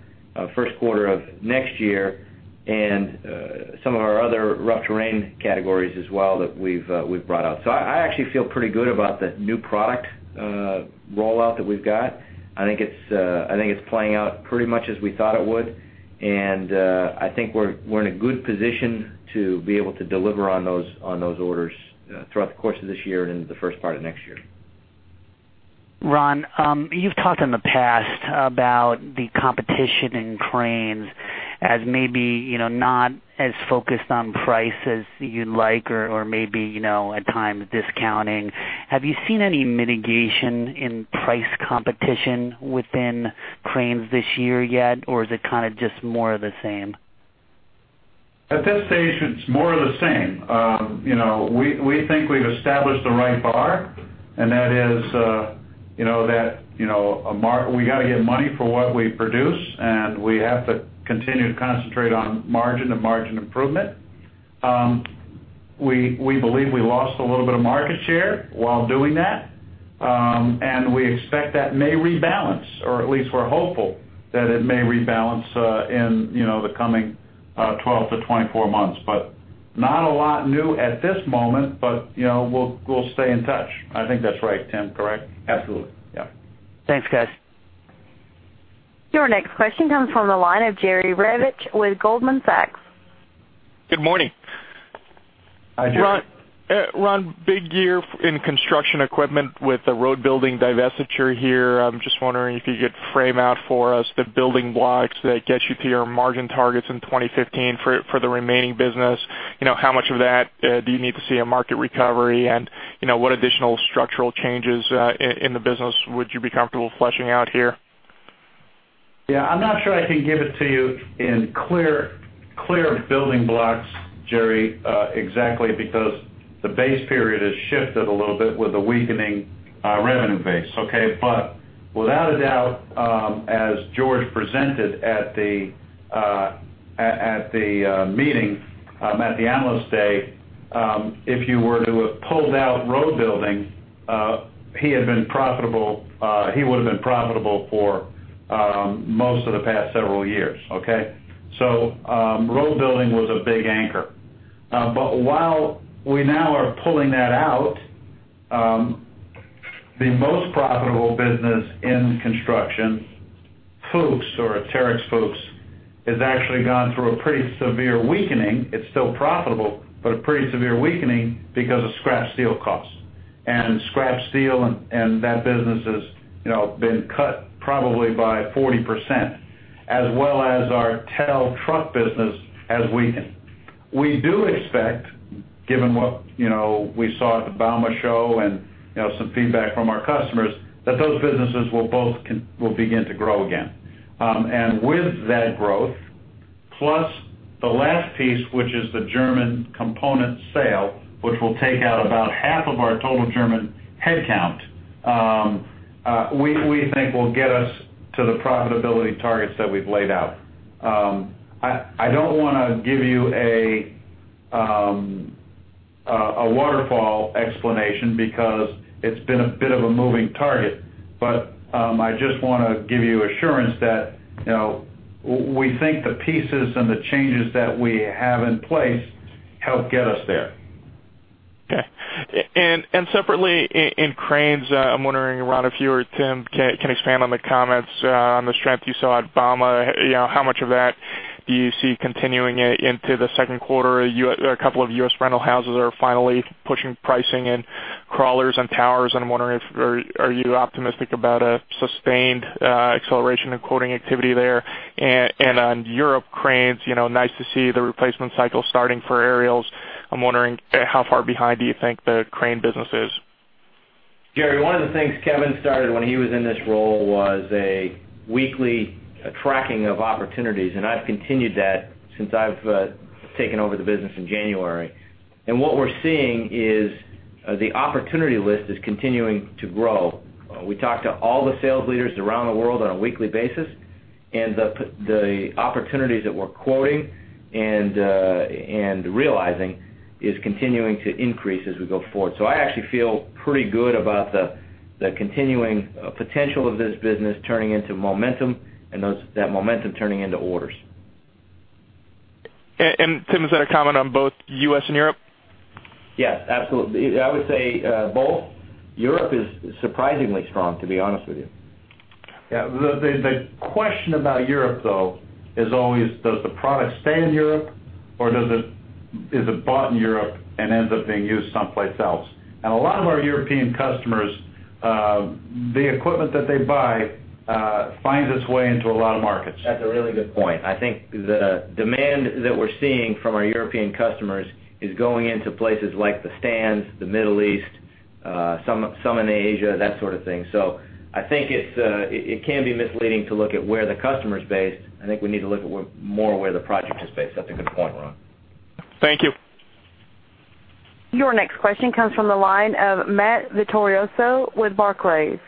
first quarter of next year. Some of our other rough terrain categories as well that we've brought out. I actually feel pretty good about the new product rollout that we've got. I think it's playing out pretty much as we thought it would. I think we're in a good position to be able to deliver on those orders throughout the course of this year and into the first part of next year. Ron, you've talked in the past about the competition in cranes as maybe not as focused on price as you'd like or maybe, at times, discounting. Have you seen any mitigation in price competition within cranes this year yet, or is it kind of just more of the same? At this stage, it's more of the same. We think we've established the right bar. That is that we got to get money for what we produce. We have to continue to concentrate on margin to margin improvement. We believe we lost a little bit of market share while doing that. We expect that may rebalance, or at least we're hopeful that it may rebalance in the coming 12 to 24 months. Not a lot new at this moment. We'll stay in touch. I think that's right, Tim, correct? Absolutely. Yeah. Thanks, guys. Your next question comes from the line of Jerry Revich with Goldman Sachs. Good morning. Hi, Jerry. Ron, big year in construction equipment with the road building divestiture here. I'm just wondering if you could frame out for us the building blocks that gets you to your margin targets in 2015 for the remaining business. How much of that do you need to see a market recovery, and what additional structural changes in the business would you be comfortable fleshing out here? Yeah, I'm not sure I can give it to you in clear building blocks, Jerry, exactly because the base period has shifted a little bit with the weakening revenue base. Okay? Without a doubt, as George presented at the meeting, at the Analyst Day, if you were to have pulled out road building, he would've been profitable for most of the past several years. Okay? Road building was a big anchor. While we now are pulling that out, the most profitable business in construction, Fuchs or Terex Fuchs, has actually gone through a pretty severe weakening. It's still profitable, but a pretty severe weakening because of scrap steel costs. Scrap steel and that business has been cut probably by 40%, as well as our TEL truck business has weakened. We do expect, given what we saw at the bauma show and some feedback from our customers, that those businesses will begin to grow again. With that growth, plus the last piece, which is the German component sale, which will take out about half of our total German headcount, we think will get us to the profitability targets that we've laid out. I don't want to give you a waterfall explanation because it's been a bit of a moving target, but I just want to give you assurance that we think the pieces and the changes that we have in place help get us there. Okay. Separately, in cranes, I'm wondering, Ron, if you or Tim can expand on the comments on the strength you saw at bauma. How much of that do you see continuing into the second quarter? A couple of U.S. rental houses are finally pushing pricing in crawlers and towers, and I'm wondering, are you optimistic about a sustained acceleration of quoting activity there? On Europe cranes, nice to see the replacement cycle starting for aerials. I'm wondering, how far behind do you think the crane business is? Jerry, one of the things Kevin started when he was in this role was a weekly tracking of opportunities. I've continued that since I've taken over the business in January. What we're seeing is the opportunity list is continuing to grow. We talk to all the sales leaders around the world on a weekly basis. The opportunities that we're quoting and realizing is continuing to increase as we go forward. I actually feel pretty good about the continuing potential of this business turning into momentum, and that momentum turning into orders. Tim, is that a comment on both U.S. and Europe? Yes, absolutely. I would say both. Europe is surprisingly strong, to be honest with you. Yeah. The question about Europe, though, is always, does the product stay in Europe, or is it bought in Europe and ends up being used someplace else? A lot of our European customers, the equipment that they buy finds its way into a lot of markets. That's a really good point. I think the demand that we're seeing from our European customers is going into places like the Stans, the Middle East, some in Asia, that sort of thing. I think it can be misleading to look at where the customer's based. I think we need to look at more where the project is based. That's a good point, Ron. Thank you. Your next question comes from the line of Matt Vittorioso with Barclays.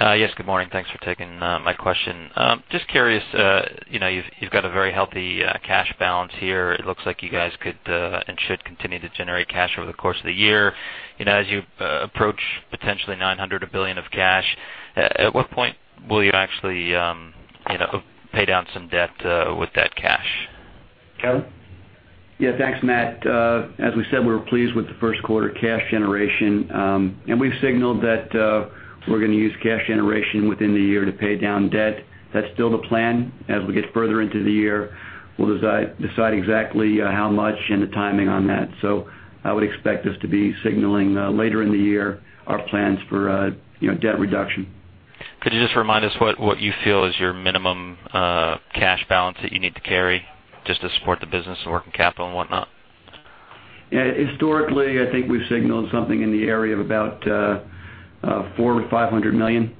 Yes, good morning. Thanks for taking my question. Just curious, you've got a very healthy cash balance here. It looks like you guys could, and should, continue to generate cash over the course of the year. As you approach potentially $900 or billion of cash, at what point will you actually pay down some debt with that cash? Kevin? Yeah, thanks, Matt. As we said, we were pleased with the first quarter cash generation. We've signaled that we're going to use cash generation within the year to pay down debt. That's still the plan. As we get further into the year, we'll decide exactly how much and the timing on that. I would expect us to be signaling later in the year our plans for debt reduction. Could you just remind us what you feel is your minimum cash balance that you need to carry just to support the business and working capital and whatnot? Historically, I think we've signaled something in the area of about $400 million-$500 million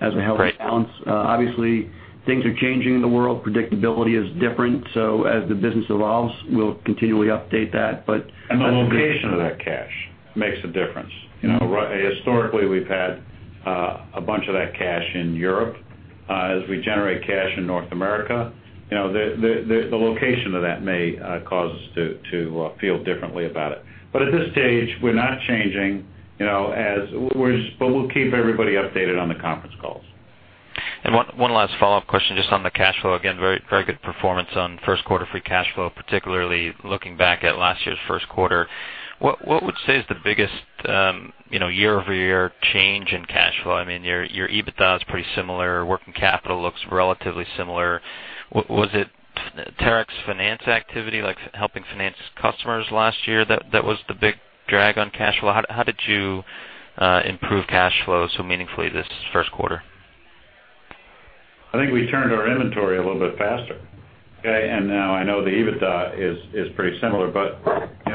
as a healthy balance. Right. Obviously, things are changing in the world. Predictability is different. As the business evolves, we'll continually update that. The location of that cash makes a difference. Historically, we've had a bunch of that cash in Europe. As we generate cash in North America, the location of that may cause us to feel differently about it. At this stage, we're not changing, but we'll keep everybody updated on the conference calls. One last follow-up question, just on the cash flow. Again, very good performance on first quarter free cash flow, particularly looking back at last year's first quarter. What would you say is the biggest year-over-year change in cash flow? I mean, your EBITDA is pretty similar. Working capital looks relatively similar. Was it Terex finance activity, like helping finance customers last year, that was the big drag on cash flow? How did you improve cash flow so meaningfully this first quarter? I think we turned our inventory a little bit faster, okay. Now I know the EBITDA is pretty similar, but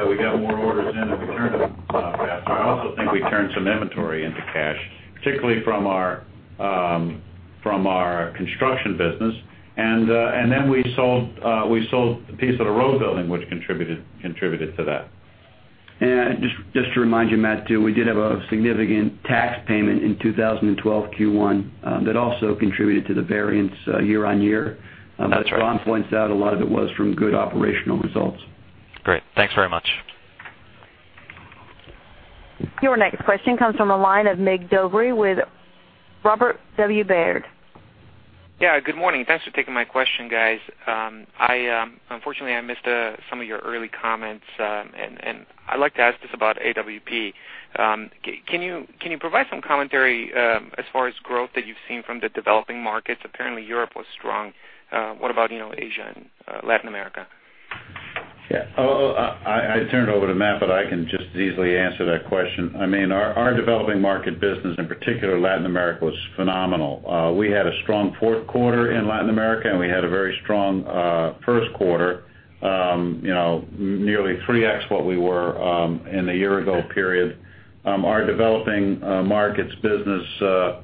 we got more orders in, and we turned them faster. I also think we turned some inventory into cash, particularly from our construction business. We sold a piece of the road building, which contributed to that. Just to remind you, Matt, too, we did have a significant tax payment in 2012 Q1 that also contributed to the variance year-over-year. That's right. As Ron points out, a lot of it was from good operational results. Great. Thanks very much. Your next question comes from the line of Mig Dobre with Robert W. Baird. Yeah, good morning. Thanks for taking my question, guys. Unfortunately, I missed some of your early comments, and I'd like to ask just about AWP. Can you provide some commentary as far as growth that you've seen from the developing markets? Apparently, Europe was strong. What about Asia and Latin America? Yeah. I turned it over to Matt, but I can just as easily answer that question. Our developing market business, in particular Latin America, was phenomenal. We had a strong fourth quarter in Latin America, and we had a very strong first quarter, nearly 3X what we were in the year-ago period. Our developing markets business was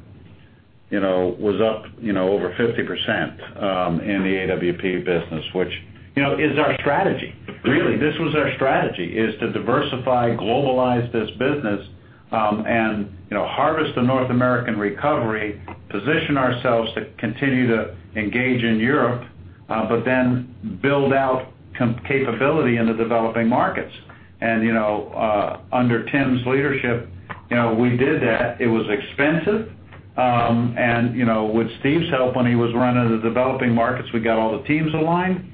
up over 50% in the AWP business, which is our strategy. Really, this was our strategy, is to diversify, globalize this business, and harvest the North American recovery, position ourselves to continue to engage in Europe, but then build out capability in the developing markets. Under Tim's leadership, we did that. It was expensive. With Steve's help when he was running the developing markets, we got all the teams aligned.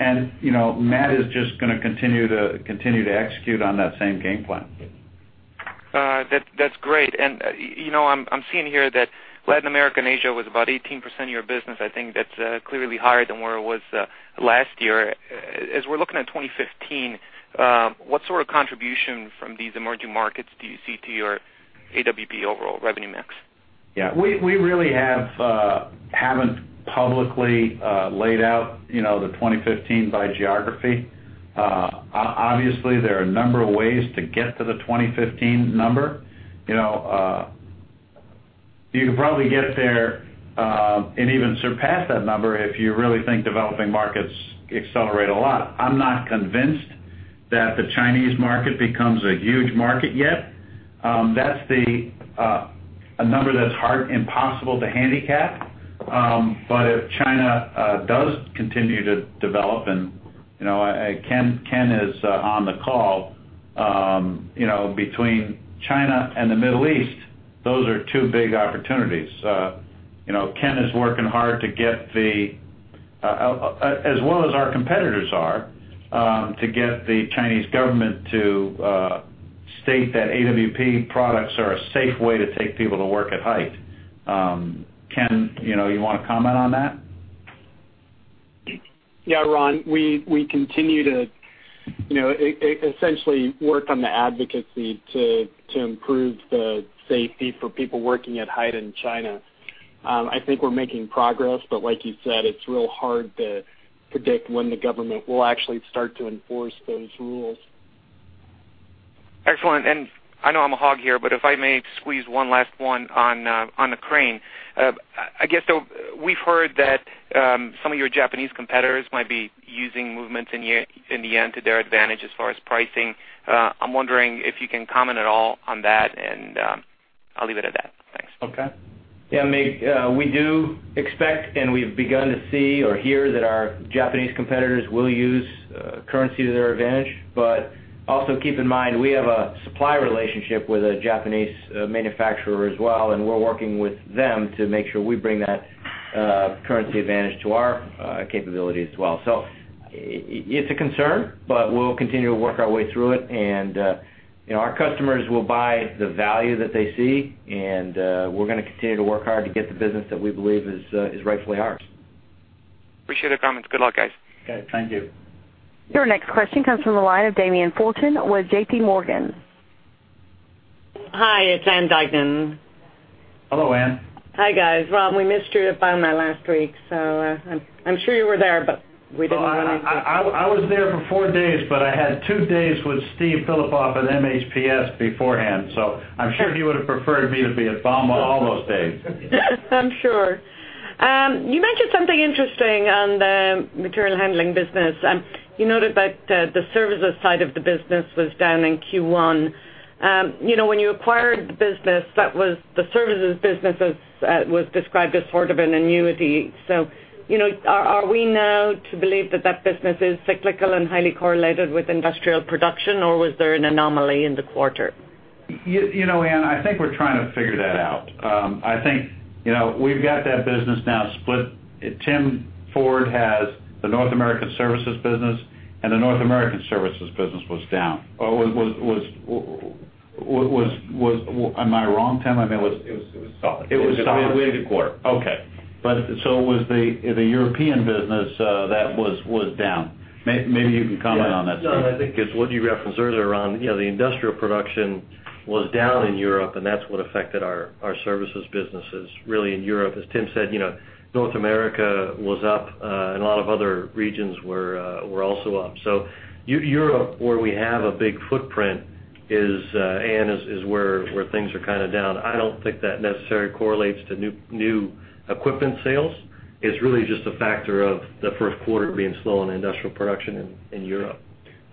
Matt is just going to continue to execute on that same game plan. That's great. I'm seeing here that Latin America and Asia was about 18% of your business. I think that's clearly higher than where it was last year. As we're looking at 2015, what sort of contribution from these emerging markets do you see to your AWP overall revenue mix? Yeah. We really haven't publicly laid out the 2015 by geography. Obviously, there are a number of ways to get to the 2015 number. You could probably get there, and even surpass that number, if you really think developing markets accelerate a lot. I'm not convinced that the Chinese market becomes a huge market yet. That's a number that's hard, impossible to handicap. If China does continue to develop, Ken is on the call, between China and the Middle East, those are two big opportunities. Ken is working hard, as well as our competitors are, to get the Chinese government to state that AWP products are a safe way to take people to work at height. Ken, you want to comment on that? Yeah, Ron. We continue to essentially work on the advocacy to improve the safety for people working at height in China. I think we're making progress, but like you said, it's real hard to predict when the government will actually start to enforce those rules. Excellent. I know I'm a hog here, but if I may squeeze one last one on the crane. I guess, we've heard that some of your Japanese competitors might be using movements in the yen to their advantage as far as pricing. I'm wondering if you can comment at all on that, and I'll leave it at that. Thanks. Okay. Yeah, Mig, we do expect, and we've begun to see or hear that our Japanese competitors will use currency to their advantage. Also keep in mind, we have a supply relationship with a Japanese manufacturer as well, and we're working with them to make sure we bring that currency advantage to our capabilities as well. It's a concern, but we'll continue to work our way through it, and our customers will buy the value that they see, and we're going to continue to work hard to get the business that we believe is rightfully ours. Appreciate the comments. Good luck, guys. Okay. Thank you. Your next question comes from the line of Damien Fulton with JP Morgan. Hi, it's Ann Duignan. Hello, Ann. Hi, guys. Ron, we missed you at bauma last week. I'm sure you were there, but we didn't run into you. I was there for four days, but I had two days with Steve Filipov at MHPS beforehand. I'm sure he would've preferred me to be at bauma all those days. I'm sure. You mentioned something interesting on the material handling business. You noted that the services side of the business was down in Q1. When you acquired the business, the services business was described as sort of an annuity. Are we now to believe that business is cyclical and highly correlated with industrial production, or was there an anomaly in the quarter? Ann, I think we're trying to figure that out. I think we've got that business now split. Tim Ford has the North American services business, and the North American services business was down. Am I wrong, Tim? It was solid. We had a good quarter. Okay. It was the European business that was down. Maybe you can comment on that, Steve. Yeah. No, I think it's what you referenced earlier, Ron, the industrial production was down in Europe, and that's what affected our services businesses really in Europe. As Tim said, North America was up, and a lot of other regions were also up. Europe, where we have a big footprint, Ann, is where things are kind of down. I don't think that necessarily correlates to new equipment sales. It's really just a factor of the first quarter being slow in industrial production in Europe.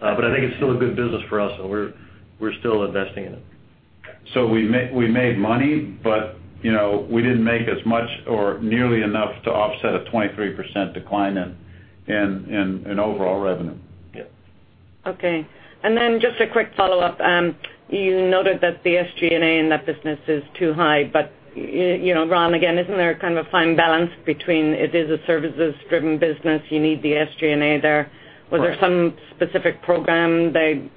I think it's still a good business for us, and we're still investing in it. We made money, but we didn't make as much or nearly enough to offset a 23% decline in overall revenue. Yeah. Okay. Just a quick follow-up. You noted that the SG&A in that business is too high. Ron, again, isn't there a kind of fine balance between it is a services driven business, you need the SG&A there? Right. Was there some specific program they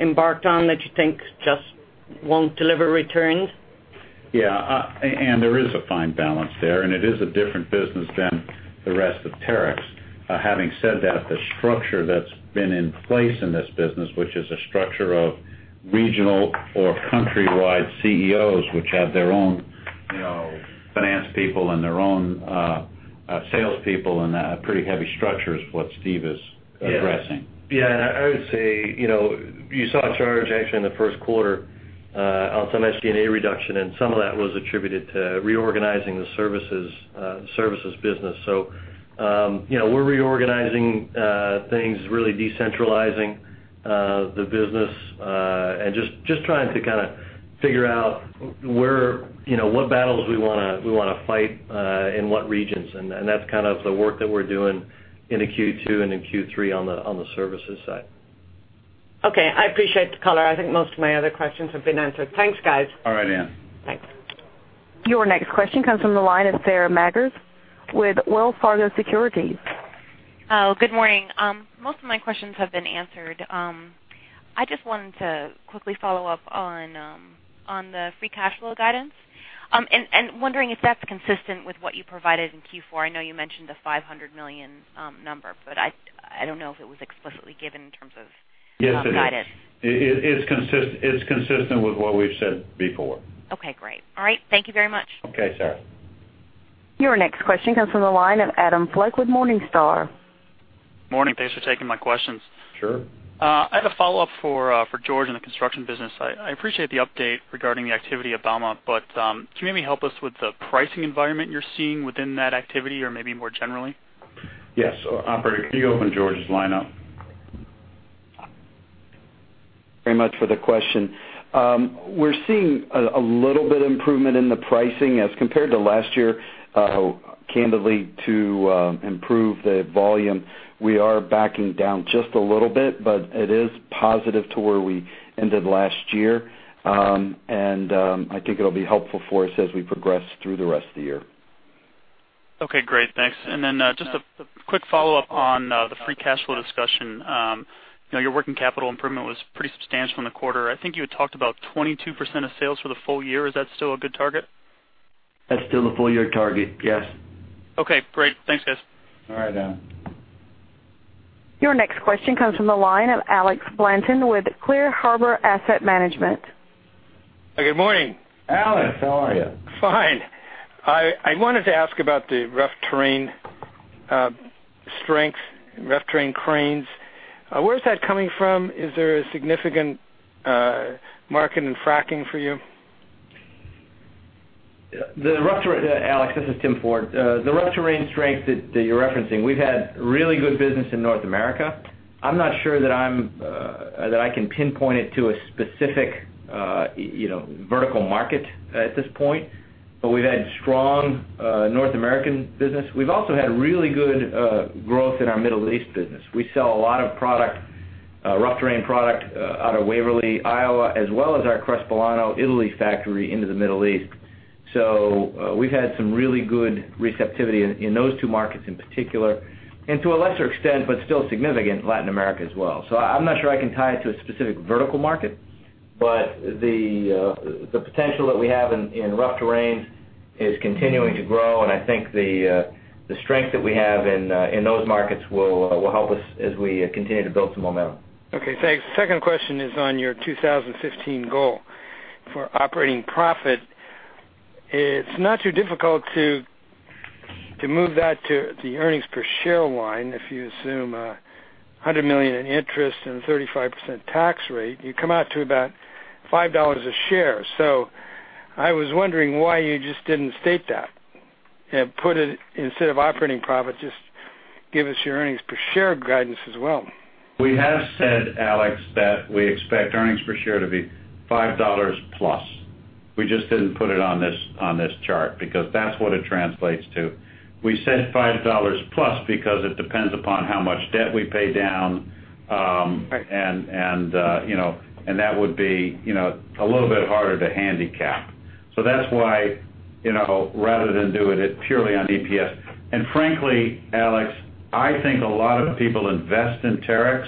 embarked on that you think just won't deliver returns? Yeah. Ann, there is a fine balance there, and it is a different business than the rest of Terex. Having said that, the structure that's been in place in this business, which is a structure of regional or countrywide CEOs, which have their own finance people and their own salespeople, and a pretty heavy structure is what Steve is addressing. Yeah. I would say, you saw a charge actually in the first quarter on some SG&A reduction, and some of that was attributed to reorganizing the services business. We're reorganizing things, really decentralizing the business, and just trying to kind of figure out what battles we want to fight in what regions. That's kind of the work that we're doing into Q2 and in Q3 on the services side. Okay. I appreciate the call. I think most of my other questions have been answered. Thanks, guys. All right, Ann. Thanks. Your next question comes from the line of Sara Ann Magers with Wells Fargo Securities. Oh, good morning. Most of my questions have been answered. Wondering if that's consistent with what you provided in Q4. I know you mentioned the $500 million number, but I don't know if it was explicitly given in terms of-. Yes, it is. guidance. It's consistent with what we've said before. Okay, great. All right. Thank you very much. Okay, Sara. Your next question comes from the line of Adam Fleck with Morningstar. Morning. Thanks for taking my questions. Sure. I have a follow-up for George in the construction business. I appreciate the update regarding the activity at bauma. Can you maybe help us with the pricing environment you're seeing within that activity or maybe more generally? Yes. Operator, can you open George's line up? Thank you very much for the question. We're seeing a little bit improvement in the pricing as compared to last year. Candidly, to improve the volume, we are backing down just a little bit. It is positive to where we ended last year. I think it'll be helpful for us as we progress through the rest of the year. Okay, great. Thanks. Just a quick follow-up on the free cash flow discussion. Your working capital improvement was pretty substantial in the quarter. I think you had talked about 22% of sales for the full year. Is that still a good target? That's still a full-year target, yes. Okay, great. Thanks, guys. All right, Adam. Your next question comes from the line of Alex Blanton with Clear Harbor Asset Management. Good morning. Alex, how are you? Fine. I wanted to ask about the rough terrain strengths, rough terrain cranes. Where is that coming from? Is there a significant market in fracking for you? Alex, this is Tim Ford. The rough terrain strength that you're referencing, we've had really good business in North America. I'm not sure that I can pinpoint it to a specific vertical market at this point. We've had strong North American business. We've also had really good growth in our Middle East business. We sell a lot of rough terrain product out of Waverly, Iowa, as well as our Crespellano, Italy factory into the Middle East. We've had some really good receptivity in those two markets in particular, and to a lesser extent, but still significant, Latin America as well. I'm not sure I can tie it to a specific vertical market, but the potential that we have in rough terrain is continuing to grow, and I think the strength that we have in those markets will help us as we continue to build some momentum. Okay, thanks. Second question is on your 2015 goal for operating profit. It's not too difficult to move that to the earnings per share line if you assume $100 million in interest and a 35% tax rate, you come out to about $5 a share. I was wondering why you just didn't state that and put it instead of operating profit, just give us your earnings per share guidance as well. We have said, Alex, that we expect earnings per share to be $5 plus. We just didn't put it on this chart because that's what it translates to. We said $5 plus because it depends upon how much debt we pay down. Right. That would be a little bit harder to handicap. That's why, rather than do it purely on EPS. Frankly, Alex, I think a lot of people invest in Terex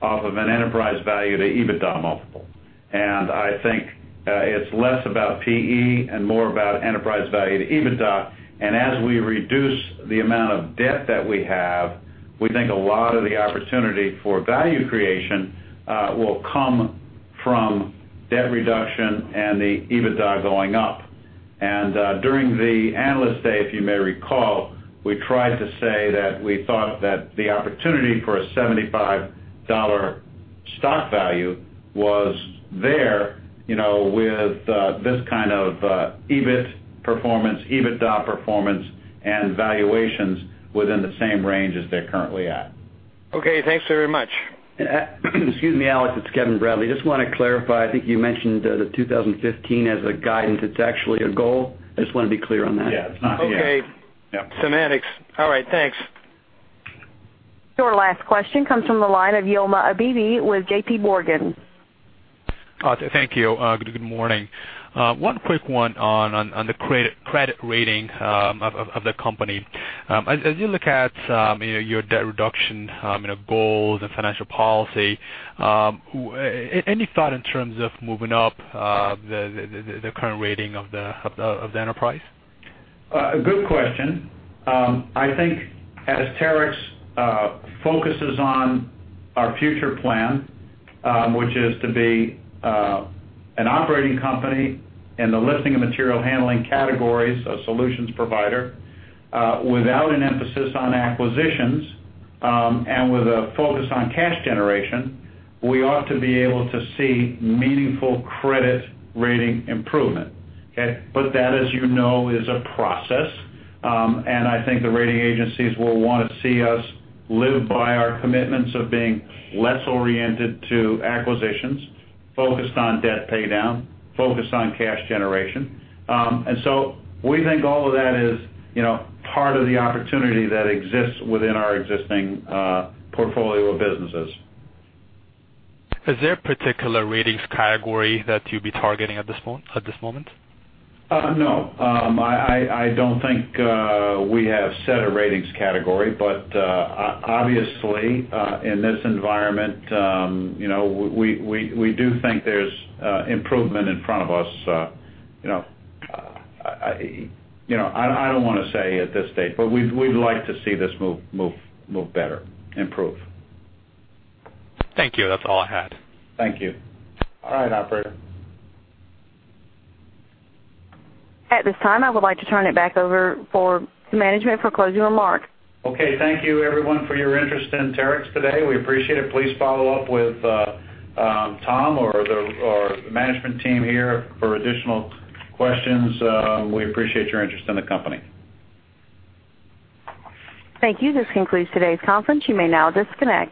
off of an enterprise value to EBITDA multiple. I think it's less about PE and more about enterprise value to EBITDA. As we reduce the amount of debt that we have, we think a lot of the opportunity for value creation will come from debt reduction and the EBITDA going up. During the Analyst Day, if you may recall, we tried to say that we thought that the opportunity for a $75 stock value was there with this kind of EBIT performance, EBITDA performance, and valuations within the same range as they're currently at. Okay, thanks very much. Excuse me, Alex, it's Kevin Bradley. Just want to clarify, I think you mentioned the 2015 as a guidance. It's actually a goal. I just want to be clear on that. Yeah. Okay. Yeah. Semantics. All right, thanks. Your last question comes from the line of Yilma Abebe with JPMorgan. Thank you. Good morning. One quick one on the credit rating of the company. As you look at your debt reduction goals and financial policy, any thought in terms of moving up the current rating of the enterprise? Good question. I think as Terex focuses on our future plan, which is to be an operating company in the lifting and material handling categories, a solutions provider, without an emphasis on acquisitions, and with a focus on cash generation, we ought to be able to see meaningful credit rating improvement. Okay? That, as you know, is a process. I think the rating agencies will want to see us live by our commitments of being less oriented to acquisitions, focused on debt paydown, focused on cash generation. We think all of that is part of the opportunity that exists within our existing portfolio of businesses. Is there a particular ratings category that you'd be targeting at this moment? I don't think we have set a ratings category. Obviously, in this environment, we do think there's improvement in front of us. I don't want to say at this stage, we'd like to see this move better, improve. Thank you. That's all I had. Thank you. All right, operator. At this time, I would like to turn it back over to management for closing remarks. Okay. Thank you everyone for your interest in Terex today. We appreciate it. Please follow up with Tom or the management team here for additional questions. We appreciate your interest in the company. Thank you. This concludes today's conference. You may now disconnect.